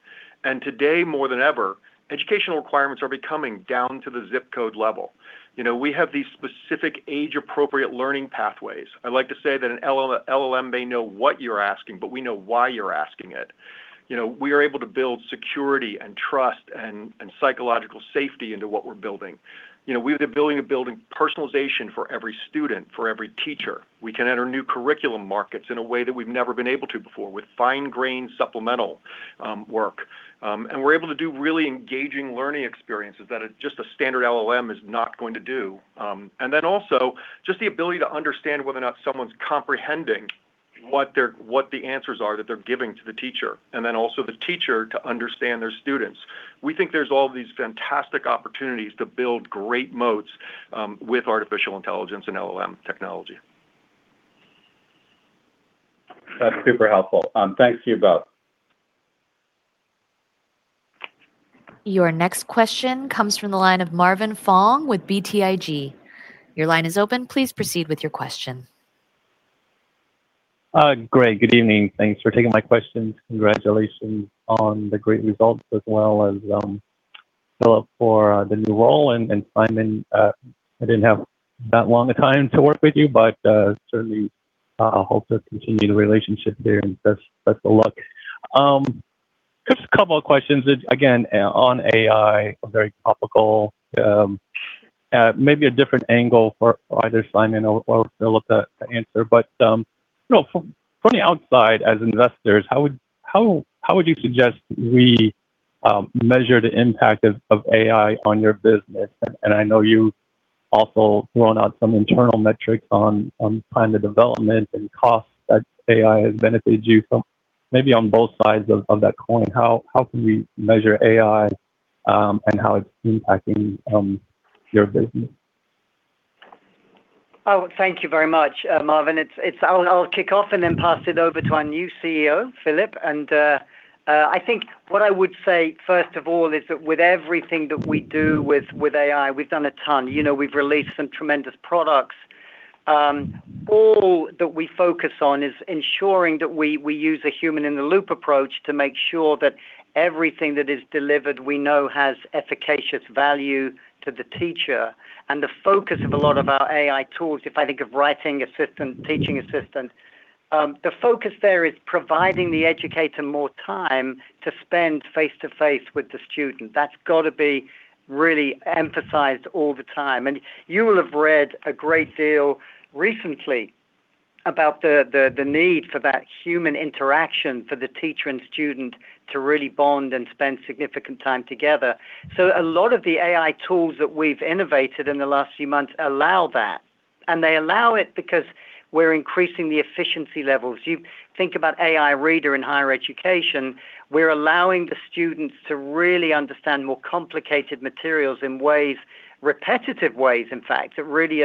Today, more than ever, educational requirements are becoming down to the zip code level. We have these specific age-appropriate learning pathways. I like to say that an LLM may know what you're asking, but we know why you're asking it. We are able to build security and trust and psychological safety into what we're building. We're building a building personalization for every student, for every teacher. We can enter new curriculum markets in a way that we've never been able to before with fine-grained supplemental work. We're able to do really engaging learning experiences that just a standard LLM is not going to do. And then also just the ability to understand whether or not someone's comprehending what the answers are that they're giving to the teacher, and then also the teacher to understand their students. We think there's all these fantastic opportunities to build great moats with artificial intelligence and LLM technology. That's super helpful. Thanks to you both. Your next question comes from the line of Marvin Fong with BTIG. Your line is open. Please proceed with your question. Great. Good evening. Thanks for taking my questions. Congratulations on the great results as well as Philip for the new role. And Simon, I didn't have that long of time to work with you, but certainly hope to continue the relationship here. And best of luck. Just a couple of questions. Again, on AI, a very topical, maybe a different angle for either Simon or Philip to answer. But from the outside, as investors, how would you suggest we measure the impact of AI on your business? And I know you've also thrown out some internal metrics on kind of development and costs that AI has benefited you, maybe on both sides of that coin. How can we measure AI and how it's impacting your business? Oh, thank you very much, Marvin. I'll kick off and then pass it over to our new CEO, Philip. I think what I would say first of all is that with everything that we do with AI, we've done a ton. We've released some tremendous products. All that we focus on is ensuring that we use a human-in-the-loop approach to make sure that everything that is delivered, we know, has efficacious value to the teacher. The focus of a lot of our AI tools, if I think of Writing Assistant, Teacher Assistant, the focus there is providing the educator more time to spend face-to-face with the student. That's got to be really emphasized all the time. You will have read a great deal recently about the need for that human interaction for the teacher and student to really bond and spend significant time together. So a lot of the AI tools that we've innovated in the last few months allow that. And they allow it because we're increasing the efficiency levels. You think about AI Reader in higher education. We're allowing the students to really understand more complicated materials in repetitive ways, in fact, that really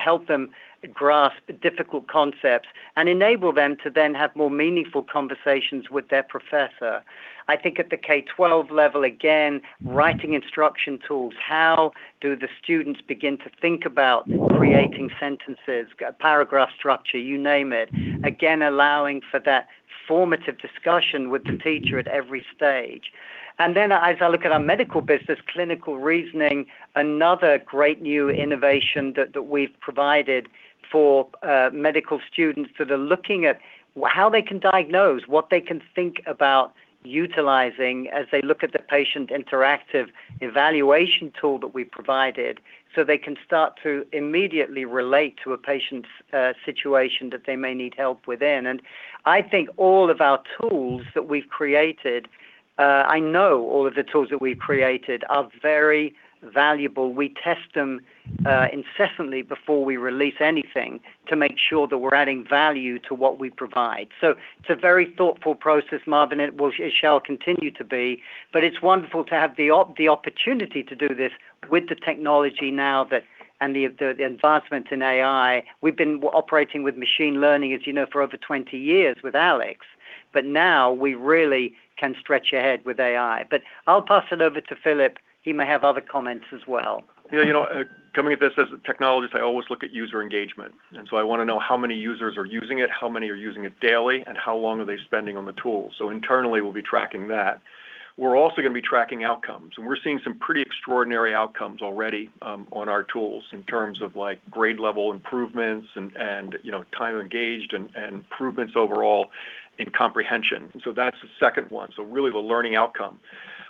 help them grasp difficult concepts and enable them to then have more meaningful conversations with their professor. I think at the K-12 level, again, writing instruction tools, how do the students begin to think about creating sentences, paragraph structure, you name it, again, allowing for that formative discussion with the teacher at every stage. And then as I look at our medical business, Clinical Reasoning, another great new innovation that we've provided for medical students that are looking at how they can diagnose, what they can think about utilizing as they look at the patient interactive evaluation tool that we provided so they can start to immediately relate to a patient's situation that they may need help within. And I think all of our tools that we've created I know all of the tools that we've created are very valuable. We test them incessantly before we release anything to make sure that we're adding value to what we provide. So it's a very thoughtful process, Marvin, and it shall continue to be. But it's wonderful to have the opportunity to do this with the technology now and the advancements in AI. We've been operating with machine learning, as you know, for over 20 years with ALEKS. But now we really can stretch ahead with AI. But I'll pass it over to Philip. He may have other comments as well. Yeah. Coming at this as a technologist, I always look at user engagement. And so I want to know how many users are using it, how many are using it daily, and how long are they spending on the tools. So internally, we'll be tracking that. We're also going to be tracking outcomes. And we're seeing some pretty extraordinary outcomes already on our tools in terms of grade-level improvements and time engaged and improvements overall in comprehension. So that's the second one, so really the learning outcome.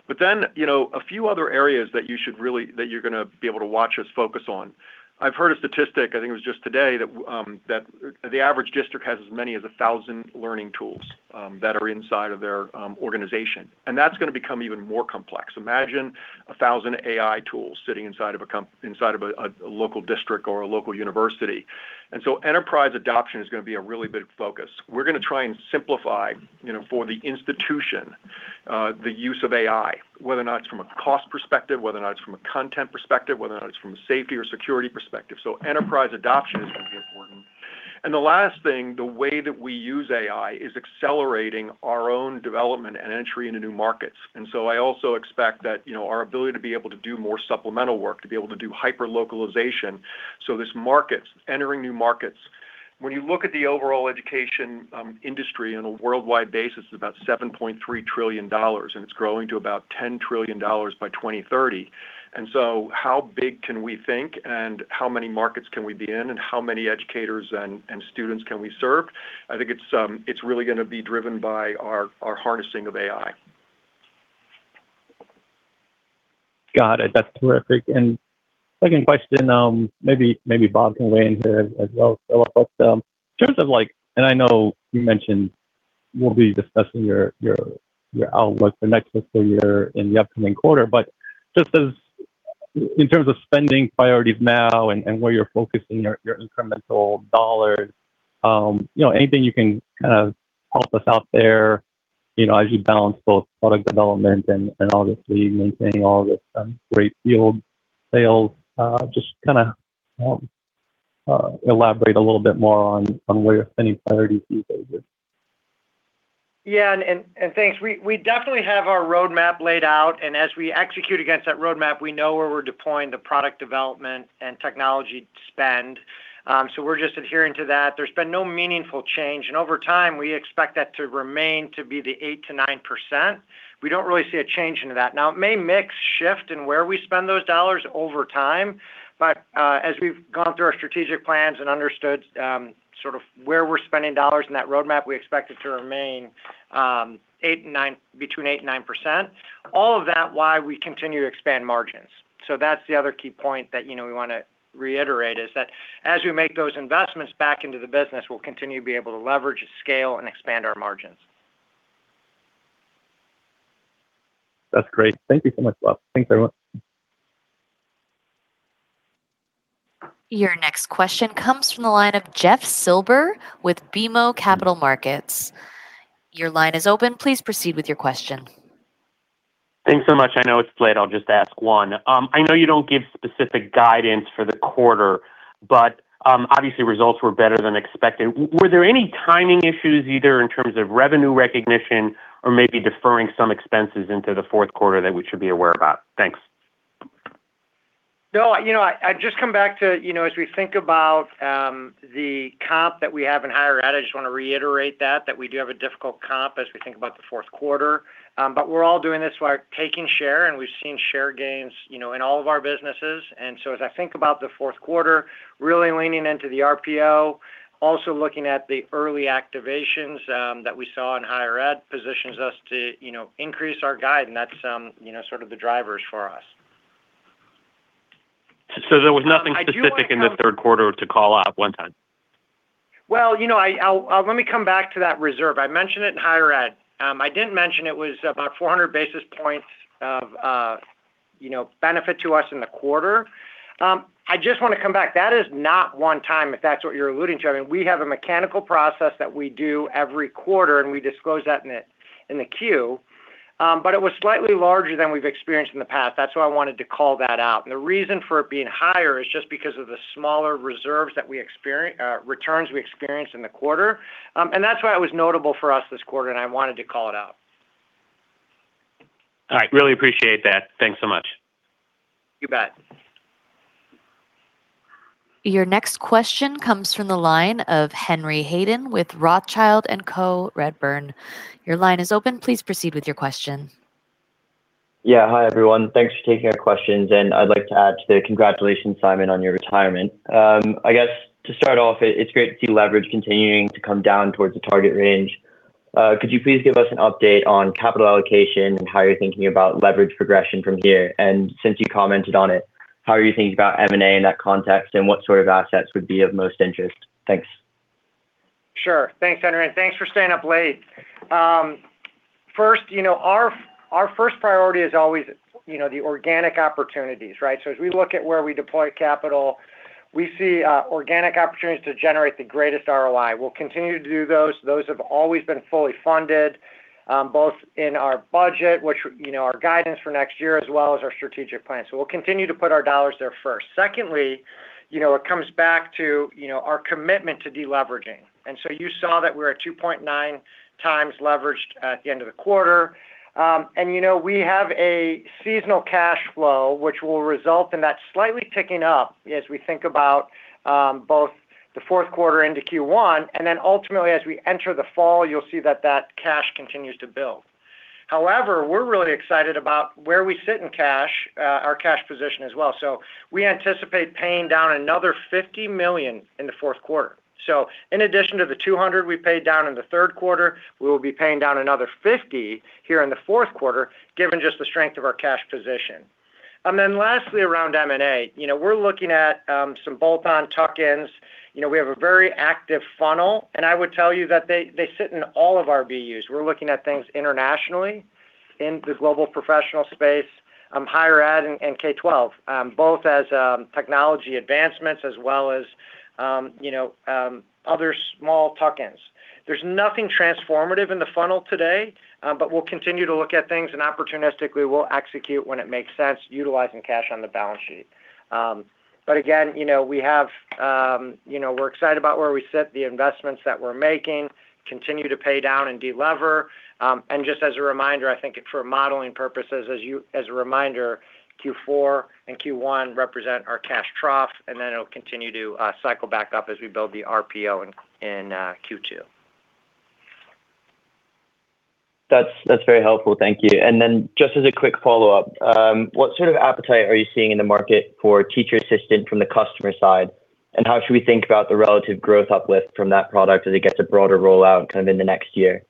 But then a few other areas that you should really that you're going to be able to watch us focus on. I've heard a statistic, I think it was just today, that the average district has as many as 1,000 learning tools that are inside of their organization. And that's going to become even more complex. Imagine 1,000 AI tools sitting inside of a local district or a local university. And so enterprise adoption is going to be a really big focus. We're going to try and simplify for the institution the use of AI, whether or not it's from a cost perspective, whether or not it's from a content perspective, whether or not it's from a safety or security perspective. So enterprise adoption is going to be important. And the last thing, the way that we use AI is accelerating our own development and entry into new markets. And so I also expect that our ability to be able to do more supplemental work, to be able to do hyper-localization, so this market, entering new markets when you look at the overall education industry on a worldwide basis, it's about $7.3 trillion. And it's growing to about $10 trillion by 2030. And so how big can we think, and how many markets can we be in, and how many educators and students can we serve? I think it's really going to be driven by our harnessing of AI. Got it. That's terrific. And second question, maybe Bob can weigh in here as well, Philip. But in terms of and I know you mentioned we'll be discussing your outlook for next fiscal year and the upcoming quarter. But just in terms of spending priorities now and where you're focusing your incremental dollars, anything you can kind of help us out there as you balance both product development and, obviously, maintaining all of this great field sales, just kind of elaborate a little bit more on where your spending priorities these days. Yeah. And, thanks. We definitely have our roadmap laid out. And as we execute against that roadmap, we know where we're deploying the product development and technology spend. So we're just adhering to that. There's been no meaningful change. And over time, we expect that to remain to be the 8%-9%. We don't really see a change into that. Now, it may mix shift in where we spend those dollars over time. But as we've gone through our strategic plans and understood sort of where we're spending dollars in that roadmap, we expect it to remain between 8% and 9%, all of that why we continue to expand margins. So that's the other key point that we want to reiterate is that as we make those investments back into the business, we'll continue to be able to leverage, scale, and expand our margins. That's great. Thank you so much, Bob. Thanks, everyone. Your next question comes from the line of Jeff Silber with BMO Capital Markets. Your line is open. Please proceed with your question. Thanks so much. I know it's late. I'll just ask one. I know you don't give specific guidance for the quarter, but obviously, results were better than expected. Were there any timing issues either in terms of revenue recognition or maybe deferring some expenses into the fourth quarter that we should be aware about? Thanks. No. I'd just come back to as we think about the comp that we have in higher ed, I just want to reiterate that, that we do have a difficult comp as we think about the fourth quarter. But we're all doing this while taking share. And we've seen share gains in all of our businesses. And so as I think about the fourth quarter, really leaning into the RPO, also looking at the early activations that we saw in higher ed positions us to increase our guide. And that's sort of the drivers for us. So there was nothing specific in the third quarter to call out one time? Well, let me come back to that reserve. I mentioned it in higher ed. I didn't mention it was about 400 basis points of benefit to us in the quarter. I just want to come back. That is not one time, if that's what you're alluding to. I mean, we have a mechanical process that we do every quarter, and we disclose that in the Q. But it was slightly larger than we've experienced in the past. That's why I wanted to call that out. And the reason for it being higher is just because of the smaller returns we experienced in the quarter. And that's why it was notable for us this quarter, and I wanted to call it out. All right. Really appreciate that. Thanks so much. You bet. Your next question comes from the line of Henry Hayden with Rothschild & Co Redburn. Your line is open. Please proceed with your question. Yeah. Hi, everyone. Thanks for taking our questions. And I'd like to add to the congratulations, Simon, on your retirement. I guess to start off, it's great to see leverage continuing to come down towards the target range. Could you please give us an update on capital allocation and how you're thinking about leverage progression from here? And since you commented on it, how are you thinking about M&A in that context, and what sort of assets would be of most interest? Thanks. Sure. Thanks, Henry. And thanks for staying up late. First, our first priority is always the organic opportunities, right? So as we look at where we deploy capital, we see organic opportunities to generate the greatest ROI. We'll continue to do those. Those have always been fully funded, both in our budget, our guidance for next year, as well as our strategic plan. So we'll continue to put our dollars there first. Secondly, it comes back to our commitment to deleveraging. And so you saw that we were at 2.9x leveraged at the end of the quarter. And we have a seasonal cash flow, which will result in that slightly ticking up as we think about both the fourth quarter into Q1. And then ultimately, as we enter the fall, you'll see that that cash continues to build. However, we're really excited about where we sit in cash, our cash position as well. So we anticipate paying down another $50 million in the fourth quarter. So in addition to the $200 million we paid down in the third quarter, we will be paying down another $50 million here in the fourth quarter, given just the strength of our cash position. And then lastly, around M&A, we're looking at some bolt-on, tuck-ins. We have a very active funnel. And I would tell you that they sit in all of our BUs. We're looking at things internationally in the global professional space, higher ed, and K-12, both as technology advancements as well as other small tuck-ins. There's nothing transformative in the funnel today, but we'll continue to look at things, and opportunistically, we'll execute when it makes sense, utilizing cash on the balance sheet. But again, we're excited about where we sit, the investments that we're making continue to pay down and deliver. And just as a reminder, I think for modeling purposes, as a reminder, Q4 and Q1 represent our cash trough, and then it'll continue to cycle back up as we build the RPO in Q2. That's very helpful. Thank you. And then just as a quick follow-up, what sort of appetite are you seeing in the market for Teacher Assistant from the customer side? And how should we think about the relative growth uplift from that product as it gets a broader rollout kind of in the next year?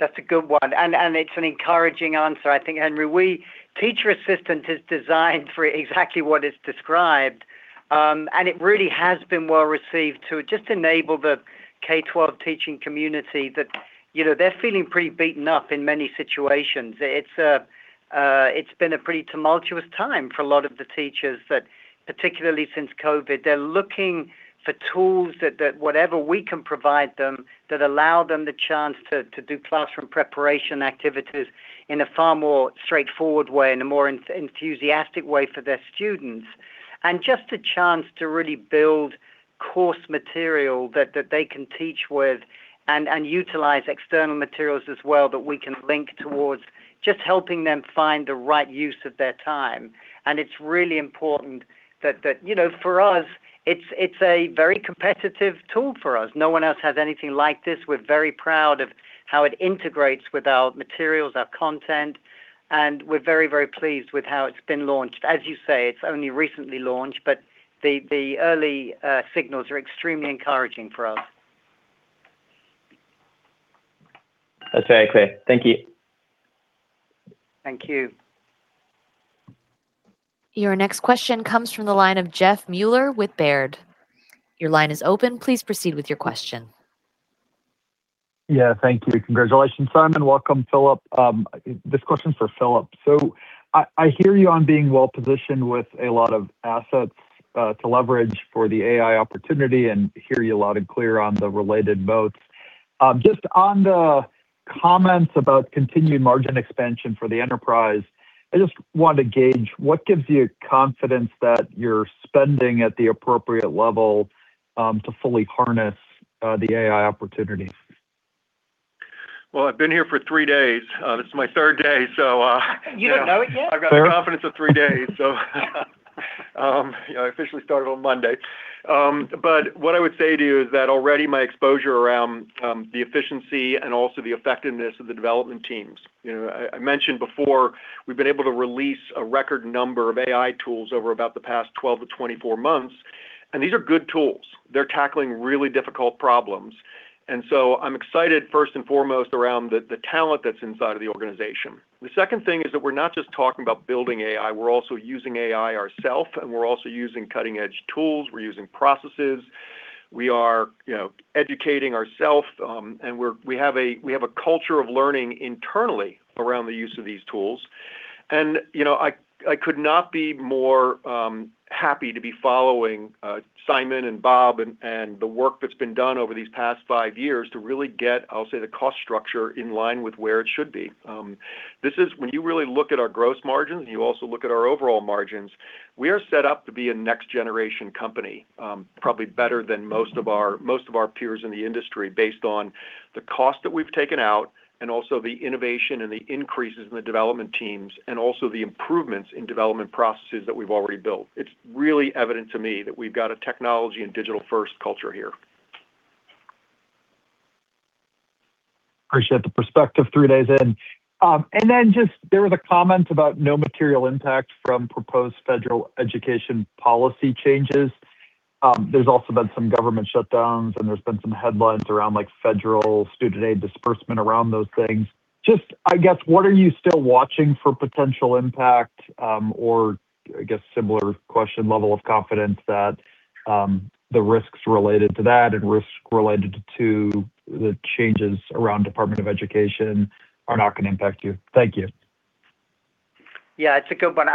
That's a good one. It's an encouraging answer, I think, Henry. Teacher Assistant is designed for exactly what it's described. It really has been well received to just enable the K-12 teaching community that they're feeling pretty beaten up in many situations. It's been a pretty tumultuous time for a lot of the teachers, particularly since COVID. They're looking for tools, whatever we can provide them, that allow them the chance to do classroom preparation activities in a far more straightforward way, in a more enthusiastic way for their students, and just a chance to really build course material that they can teach with and utilize external materials as well that we can link towards just helping them find the right use of their time. It's really important that for us, it's a very competitive tool for us. No one else has anything like this. We're very proud of how it integrates with our materials, our content. We're very, very pleased with how it's been launched. As you say, it's only recently launched, but the early signals are extremely encouraging for us. That's very clear. Thank you. Thank you. Your next question comes from the line of Jeff Meuler with Baird. Your line is open. Please proceed with your question. Yeah. Thank you. Congratulations, Simon. Welcome, Philip. This question's for Philip. So I hear you on being well-positioned with a lot of assets to leverage for the AI opportunity and hear you loud and clear on the related moats. Just on the comments about continued margin expansion for the enterprise, I just want to gauge, what gives you confidence that you're spending at the appropriate level to fully harness the AI opportunities? Well, I've been here for three days. This is my third day, so. You don't know it yet? I've got the confidence of three days, so. I officially started on Monday. But what I would say to you is that already, my exposure around the efficiency and also the effectiveness of the development teams. I mentioned before, we've been able to release a record number of AI tools over about the past 12-24 months. And these are good tools. They're tackling really difficult problems. And so I'm excited, first and foremost, around the talent that's inside of the organization. The second thing is that we're not just talking about building AI. We're also using AI ourself. And we're also using cutting-edge tools. We're using processes. We are educating ourself. And we have a culture of learning internally around the use of these tools. I could not be more happy to be following Simon and Bob and the work that's been done over these past five years to really get, I'll say, the cost structure in line with where it should be. When you really look at our gross margins, and you also look at our overall margins, we are set up to be a next-generation company, probably better than most of our peers in the industry based on the cost that we've taken out and also the innovation and the increases in the development teams and also the improvements in development processes that we've already built. It's really evident to me that we've got a technology and digital-first culture here. Appreciate the perspective, three days in. Then just there was a comment about no material impact from proposed federal education policy changes. There's also been some government shutdowns, and there's been some headlines around federal student aid disbursement around those things. Just, I guess, what are you still watching for potential impact or, I guess, similar question, level of confidence that the risks related to that and risks related to the changes around the Department of Education are not going to impact you? Thank you. Yeah. It's a good one.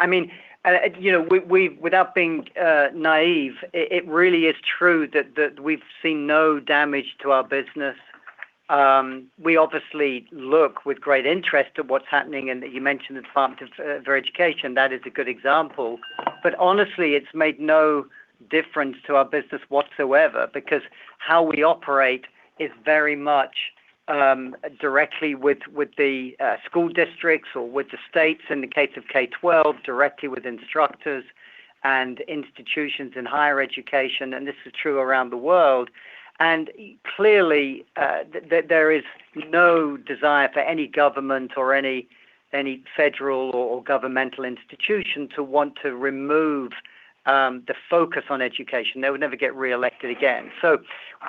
I mean, without being naive, it really is true that we've seen no damage to our business. We obviously look with great interest at what's happening. And you mentioned the Department of Education. That is a good example. But honestly, it's made no difference to our business whatsoever because how we operate is very much directly with the school districts or with the states, in the case of K-12, directly with instructors and institutions in higher education. And this is true around the world. And clearly, there is no desire for any government or any federal or governmental institution to want to remove the focus on education. They would never get reelected again. So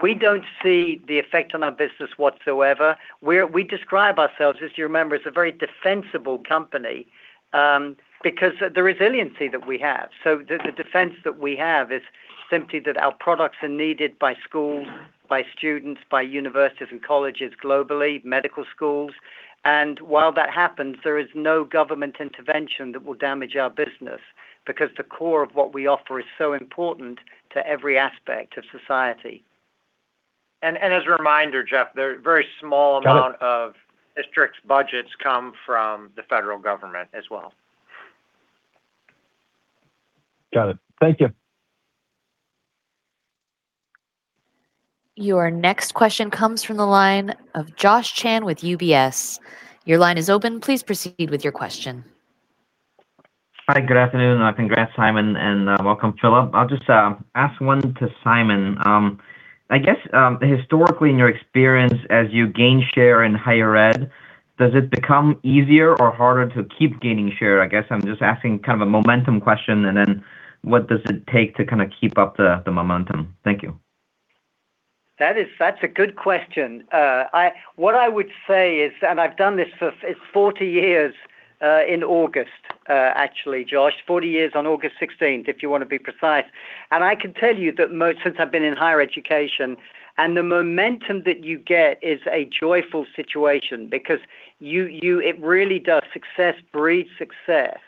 we don't see the effect on our business whatsoever. We describe ourselves, as you remember, as a very defensible company because of the resiliency that we have. The defense that we have is simply that our products are needed by schools, by students, by universities and colleges globally, medical schools. While that happens, there is no government intervention that will damage our business because the core of what we offer is so important to every aspect of society. As a reminder, Jeff, a very small amount of districts' budgets come from the federal government as well. Got it. Thank you. Your next question comes from the line of Josh Chan with UBS. Your line is open. Please proceed with your question. Hi. Good afternoon. Congrats, Simon, and welcome, Philip. I'll just ask one to Simon. I guess historically, in your experience as you gain share in higher ed, does it become easier or harder to keep gaining share? I guess I'm just asking kind of a momentum question. Then what does it take to kind of keep up the momentum? Thank you. That's a good question. What I would say is and I've done this for it's 40 years in August, actually, Josh, 40 years on August 16th, if you want to be precise. And I can tell you that since I've been in higher education, and the momentum that you get is a joyful situation because it really does success breed success.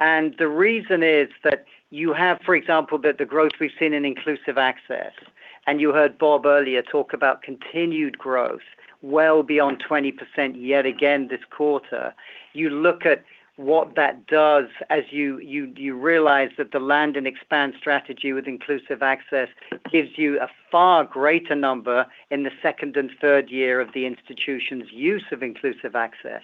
And the reason is that you have, for example, the growth we've seen in Inclusive Access. And you heard Bob earlier talk about continued growth well beyond 20% yet again this quarter. You look at what that does as you realize that the land and expand strategy with Inclusive Access gives you a far greater number in the second and third year of the institution's use of Inclusive Access.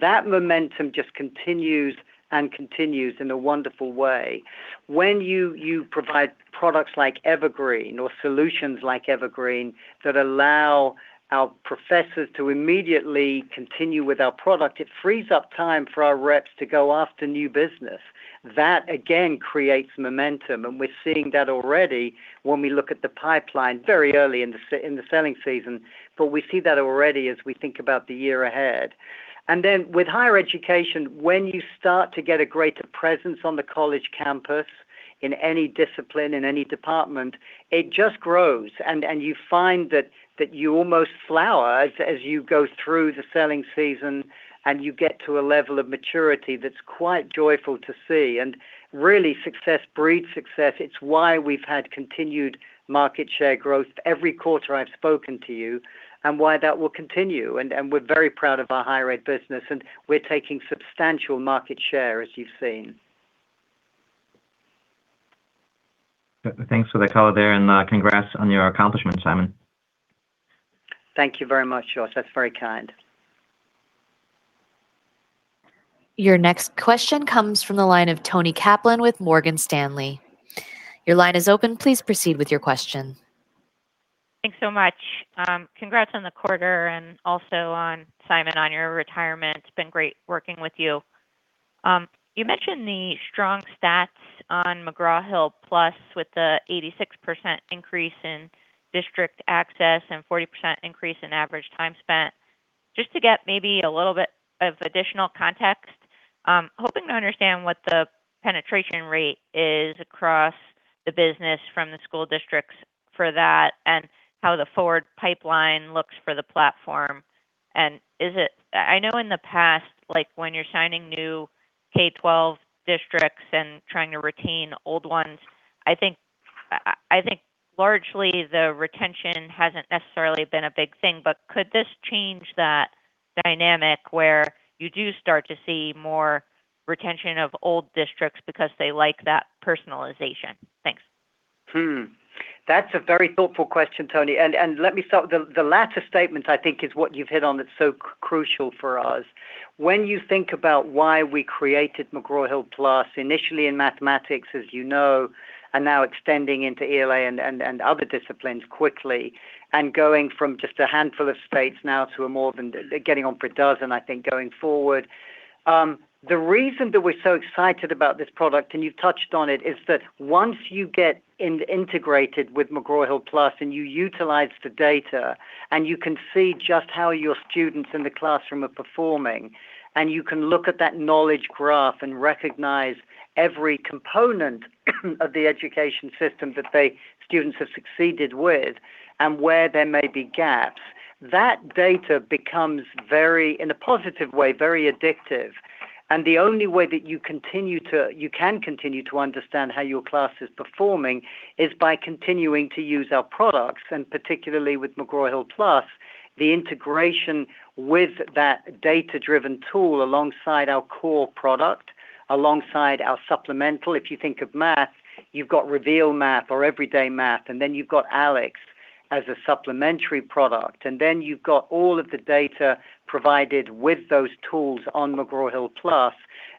That momentum just continues and continues in a wonderful way. When you provide products like Evergreen or solutions like Evergreen that allow our professors to immediately continue with our product, it frees up time for our reps to go after new business. That, again, creates momentum. And we're seeing that already when we look at the pipeline very early in the selling season. But we see that already as we think about the year ahead. And then with higher education, when you start to get a greater presence on the college campus in any discipline, in any department, it just grows. And you find that you almost flower as you go through the selling season, and you get to a level of maturity that's quite joyful to see. And really, success breeds success. It's why we've had continued market share growth every quarter I've spoken to you and why that will continue. We're very proud of our higher ed business. We're taking substantial market share, as you've seen. Thanks for the color there. Congrats on your accomplishments, Simon. Thank you very much, Josh. That's very kind. Your next question comes from the line of Toni Kaplan with Morgan Stanley. Your line is open. Please proceed with your question. Thanks so much. Congrats on the quarter and also on, Simon, on your retirement. It's been great working with you. You mentioned the strong stats on McGraw Hill Plus with the 86% increase in district access and 40% increase in average time spent. Just to get maybe a little bit of additional context, hoping to understand what the penetration rate is across the business from the school districts for that and how the forward pipeline looks for the platform. And I know in the past, when you're signing new K-12 districts and trying to retain old ones, I think largely, the retention hasn't necessarily been a big thing. But could this change that dynamic where you do start to see more retention of old districts because they like that personalization? Thanks. That's a very thoughtful question, Tony. Let me start with the latter statement, I think, is what you've hit on that's so crucial for us. When you think about why we created McGraw Hill Plus, initially in mathematics, as you know, and now extending into ELA and other disciplines quickly and going from just a handful of states now to more than getting on for a dozen. I think, going forward, the reason that we're so excited about this product, and you've touched on it, is that once you get integrated with McGraw Hill Plus and you utilize the data, and you can see just how your students in the classroom are performing, and you can look at that knowledge graph and recognize every component of the education system that the students have succeeded with and where there may be gaps, that data becomes very, in a positive way, very addictive. And the only way that you can continue to understand how your class is performing is by continuing to use our products. And particularly with McGraw Hill Plus, the integration with that data-driven tool alongside our core product, alongside our supplemental if you think of math, you've got Reveal Math or Everyday Math. And then you've got ALEKS as a supplementary product. And then you've got all of the data provided with those tools on McGraw Hill Plus.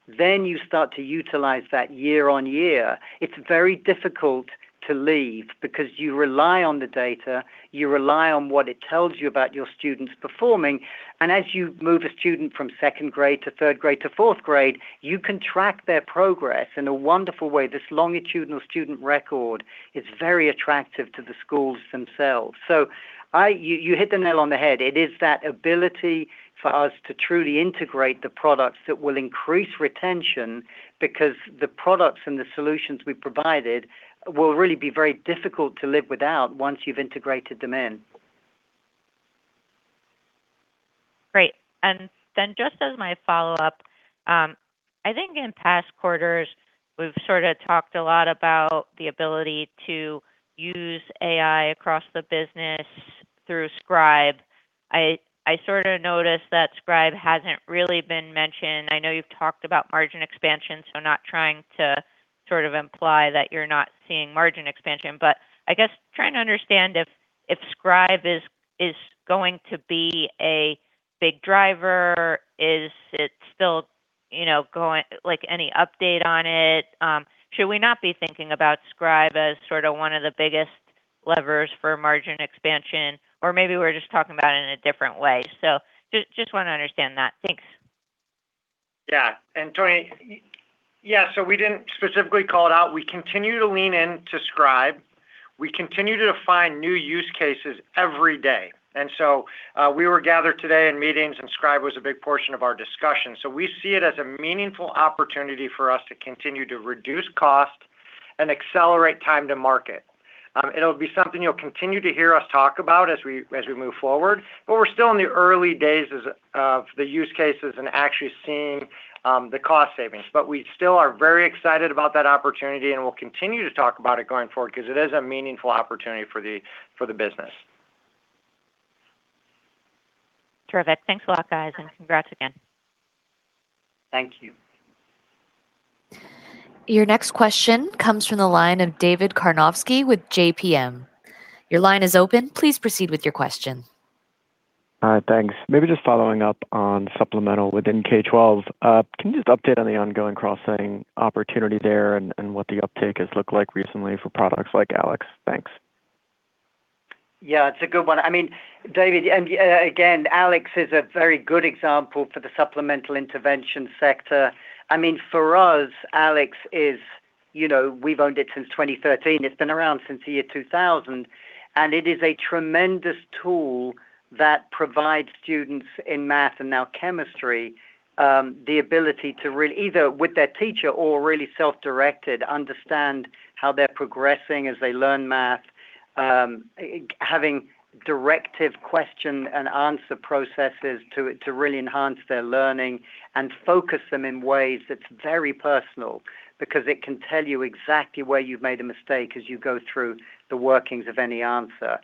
Then you start to utilize that year on year. It's very difficult to leave because you rely on the data. You rely on what it tells you about your students performing. And as you move a student from second grade to third grade to fourth grade, you can track their progress in a wonderful way. This longitudinal student record is very attractive to the schools themselves. So you hit the nail on the head. It is that ability for us to truly integrate the products that will increase retention because the products and the solutions we provided will really be very difficult to live without once you've integrated them in. Great. And then just as my follow-up, I think in past quarters, we've sort of talked a lot about the ability to use AI across the business through Scribe. I sort of noticed that Scribe hasn't really been mentioned. I know you've talked about margin expansion, so not trying to sort of imply that you're not seeing margin expansion. But I guess trying to understand if Scribe is going to be a big driver, is it still going? Any update on it? Should we not be thinking about Scribe as sort of one of the biggest levers for margin expansion? Or maybe we're just talking about it in a different way. So just want to understand that. Thanks. Yeah. And Tony, yeah, so we didn't specifically call it out. We continue to lean into Scribe. We continue to define new use cases every day. And so we were gathered today in meetings, and Scribe was a big portion of our discussion. So we see it as a meaningful opportunity for us to continue to reduce cost and accelerate time to market. It'll be something you'll continue to hear us talk about as we move forward. But we're still in the early days of the use cases and actually seeing the cost savings. But we still are very excited about that opportunity, and we'll continue to talk about it going forward because it is a meaningful opportunity for the business. Terrific. Thanks a lot, guys. Congrats again. Thank you. Your next question comes from the line of David Karnovsky with JPM. Your line is open. Please proceed with your question. Hi. Thanks. Maybe just following up on supplemental within K-12. Can you just update on the ongoing cross-setting opportunity there and what the uptake has looked like recently for products like ALEKS? Thanks. Yeah. It's a good one. I mean, David, and again, ALEKS is a very good example for the supplemental intervention sector. I mean, for us, ALEKS is we've owned it since 2013. It's been around since the year 2000. And it is a tremendous tool that provides students in math and now chemistry the ability to really either with their teacher or really self-directed understand how they're progressing as they learn math, having directive question-and-answer processes to really enhance their learning and focus them in ways that's very personal because it can tell you exactly where you've made a mistake as you go through the workings of any answer.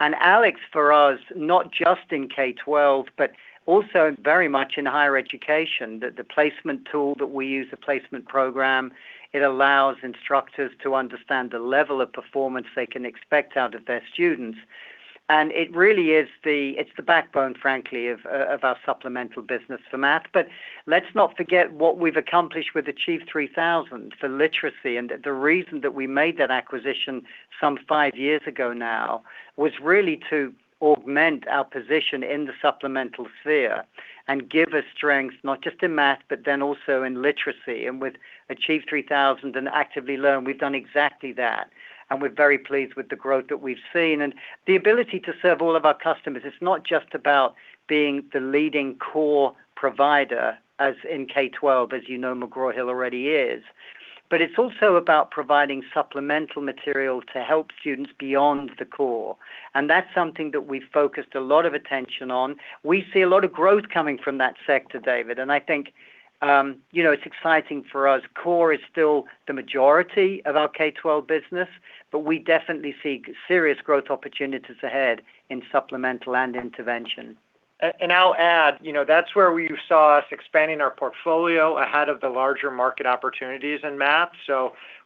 And ALEKS, for us, not just in K-12 but also very much in higher education, the placement tool that we use, the placement program, it allows instructors to understand the level of performance they can expect out of their students. And it really is the backbone, frankly, of our supplemental business for math. But let's not forget what we've accomplished with Achieve3000 for literacy. And the reason that we made that acquisition some five years ago now was really to augment our position in the supplemental sphere and give us strength not just in math but then also in literacy. And with Achieve3000 and Actively Learn, we've done exactly that. And we're very pleased with the growth that we've seen and the ability to serve all of our customers. It's not just about being the leading core provider as in K-12, as you know, McGraw Hill already is. But it's also about providing supplemental material to help students beyond the core. And that's something that we've focused a lot of attention on. We see a lot of growth coming from that sector, David. And I think it's exciting for us. Core is still the majority of our K-12 business. But we definitely see serious growth opportunities ahead in supplemental and intervention. I'll add, that's where we saw us expanding our portfolio ahead of the larger market opportunities in math.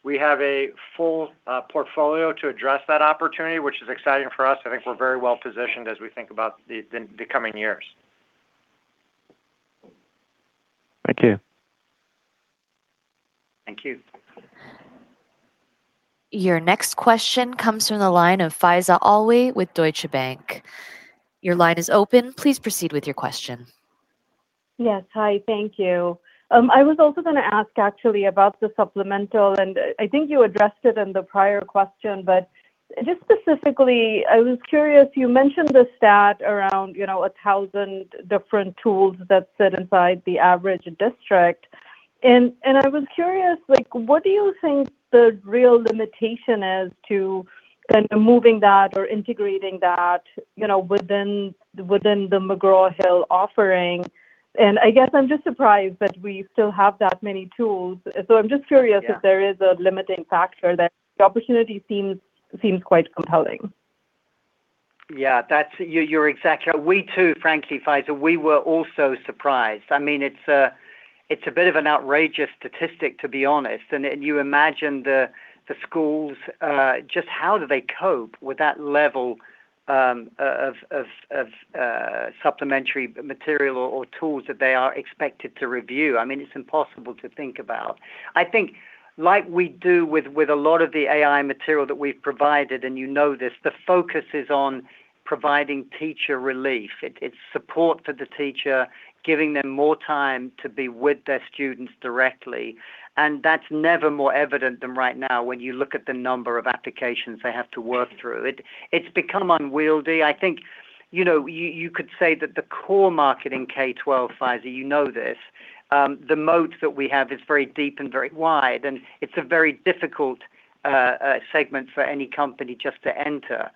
We have a full portfolio to address that opportunity, which is exciting for us. I think we're very well positioned as we think about the coming years. Thank you. Thank you. Your next question comes from the line of Faiza Alwi with Deutsche Bank. Your line is open. Please proceed with your question. Yes. Hi. Thank you. I was also going to ask, actually, about the supplemental. And I think you addressed it in the prior question. But just specifically, I was curious. You mentioned the stat around 1,000 different tools that sit inside the average district. And I was curious, what do you think the real limitation is to kind of moving that or integrating that within the McGraw Hill offering? And I guess I'm just surprised that we still have that many tools. So I'm just curious if there is a limiting factor there. The opportunity seems quite compelling. Yeah. You're exactly right. We too, frankly, Faiza, we were also surprised. I mean, it's a bit of an outrageous statistic, to be honest. And you imagine the schools, just how do they cope with that level of supplementary material or tools that they are expected to review? I mean, it's impossible to think about. I think like we do with a lot of the AI material that we've provided, and you know this, the focus is on providing teacher relief. It's support for the teacher, giving them more time to be with their students directly. And that's never more evident than right now when you look at the number of applications they have to work through. It's become unwieldy. I think you could say that the core market in K-12, Faiza, you know this, the moat that we have is very deep and very wide. It's a very difficult segment for any company just to enter.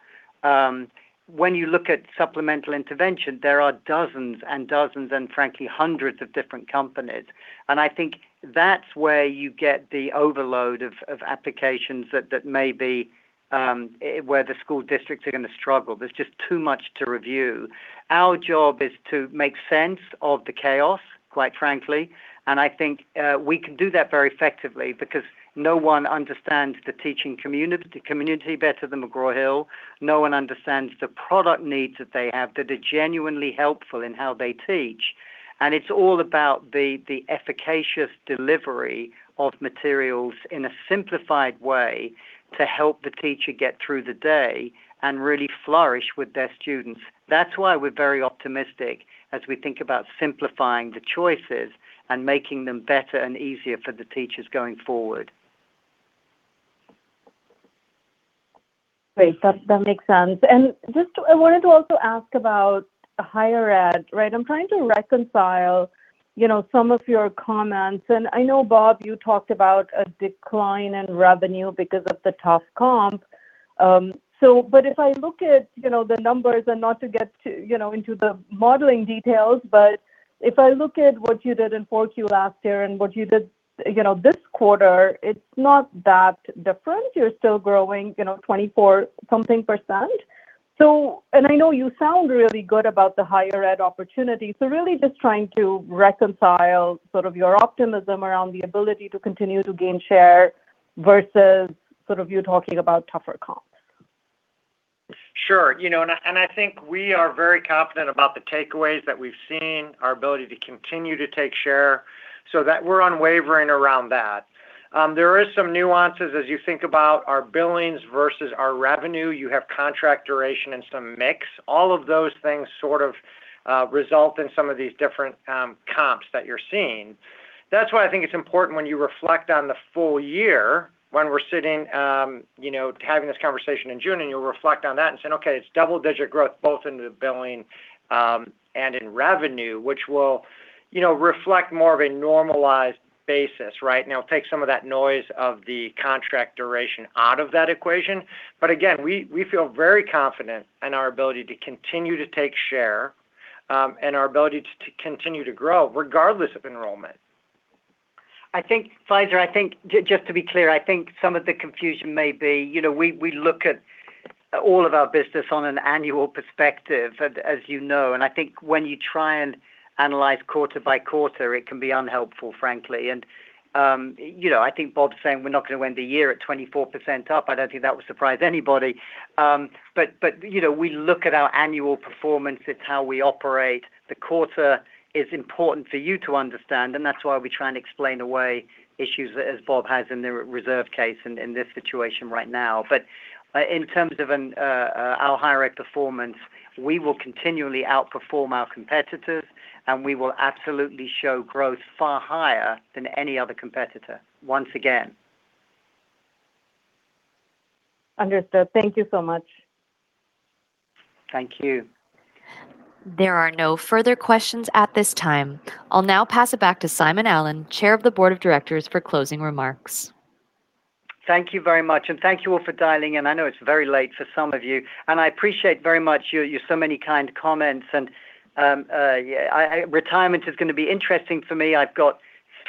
When you look at supplemental intervention, there are dozens and dozens and frankly, hundreds of different companies. I think that's where you get the overload of applications that may be where the school districts are going to struggle. There's just too much to review. Our job is to make sense of the chaos, quite frankly. I think we can do that very effectively because no one understands the teaching community better than McGraw Hill. No one understands the product needs that they have that are genuinely helpful in how they teach. It's all about the efficacious delivery of materials in a simplified way to help the teacher get through the day and really flourish with their students. That's why we're very optimistic as we think about simplifying the choices and making them better and easier for the teachers going forward. Great. That makes sense. And just I wanted to also ask about higher ed, right? I'm trying to reconcile some of your comments. And I know, Bob, you talked about a decline in revenue because of the tough comp. But if I look at the numbers and not to get into the modeling details, but if I look at what you did in 4Q last year and what you did this quarter, it's not that different. You're still growing 24-something%. And I know you sound really good about the higher ed opportunity. So really just trying to reconcile sort of your optimism around the ability to continue to gain share versus sort of you talking about tougher comps. Sure. And I think we are very confident about the takeaways that we've seen, our ability to continue to take share. So we're unwavering around that. There are some nuances as you think about our billings versus our revenue. You have contract duration and some mix. All of those things sort of result in some of these different comps that you're seeing. That's why I think it's important when you reflect on the full year when we're sitting having this conversation in June, and you'll reflect on that and say, "Okay. It's double-digit growth both in the billing and in revenue," which will reflect more of a normalized basis, right? And it'll take some of that noise of the contract duration out of that equation. But again, we feel very confident in our ability to continue to take share and our ability to continue to grow regardless of enrollment. I think, Faiza, just to be clear, I think some of the confusion may be we look at all of our business on an annual perspective, as you know. And I think when you try and analyze quarter by quarter, it can be unhelpful, frankly. And I think Bob's saying we're not going to end the year at 24% up. I don't think that would surprise anybody. But we look at our annual performance. It's how we operate. The quarter is important for you to understand. And that's why we try and explain away issues as Bob has in the reserve case in this situation right now. But in terms of our higher ed performance, we will continually outperform our competitors. And we will absolutely show growth far higher than any other competitor, once again. Understood. Thank you so much. Thank you. There are no further questions at this time. I'll now pass it back to Simon Allen, Chair of the Board of Directors, for closing remarks. Thank you very much. Thank you all for dialing in. I know it's very late for some of you. I appreciate very much your so many kind comments. Yeah, retirement is going to be interesting for me. I've got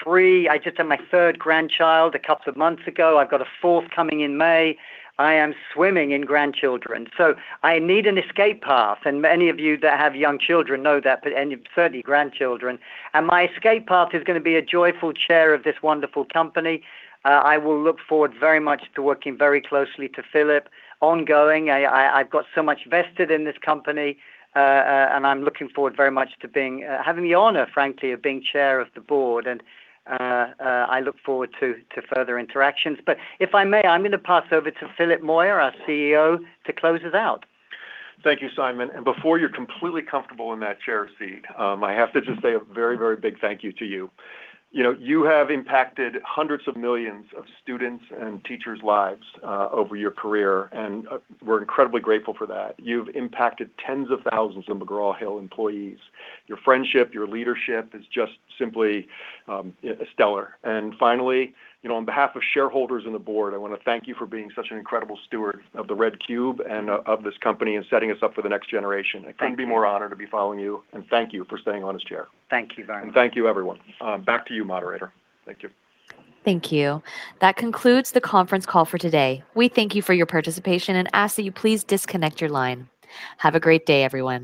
three. I just had my third grandchild a couple of months ago. I've got a fourth coming in May. I am swimming in grandchildren. I need an escape path. Many of you that have young children know that, and certainly grandchildren. My escape path is going to be a joyful share of this wonderful company. I will look forward very much to working very closely to Philip ongoing. I've got so much vested in this company. I'm looking forward very much to having the honor, frankly, of being Chair of the board. I look forward to further interactions. If I may, I'm going to pass over to Philip Moyer, our CEO, to close us out. Thank you, Simon. Before you're completely comfortable in that chair seat, I have to just say a very, very big thank you to you. You have impacted hundreds of millions of students and teachers' lives over your career. We're incredibly grateful for that. You've impacted tens of thousands of McGraw Hill employees. Your friendship, your leadership is just simply stellar. Finally, on behalf of shareholders and the board, I want to thank you for being such an incredible steward of the Red Cube and of this company and setting us up for the next generation. It couldn't be more honored to be following you. Thank you for staying on as chair. Thank you very much. Thank you, everyone. Back to you, moderator. Thank you. Thank you. That concludes the conference call for today. We thank you for your participation and ask that you please disconnect your line. Have a great day, everyone.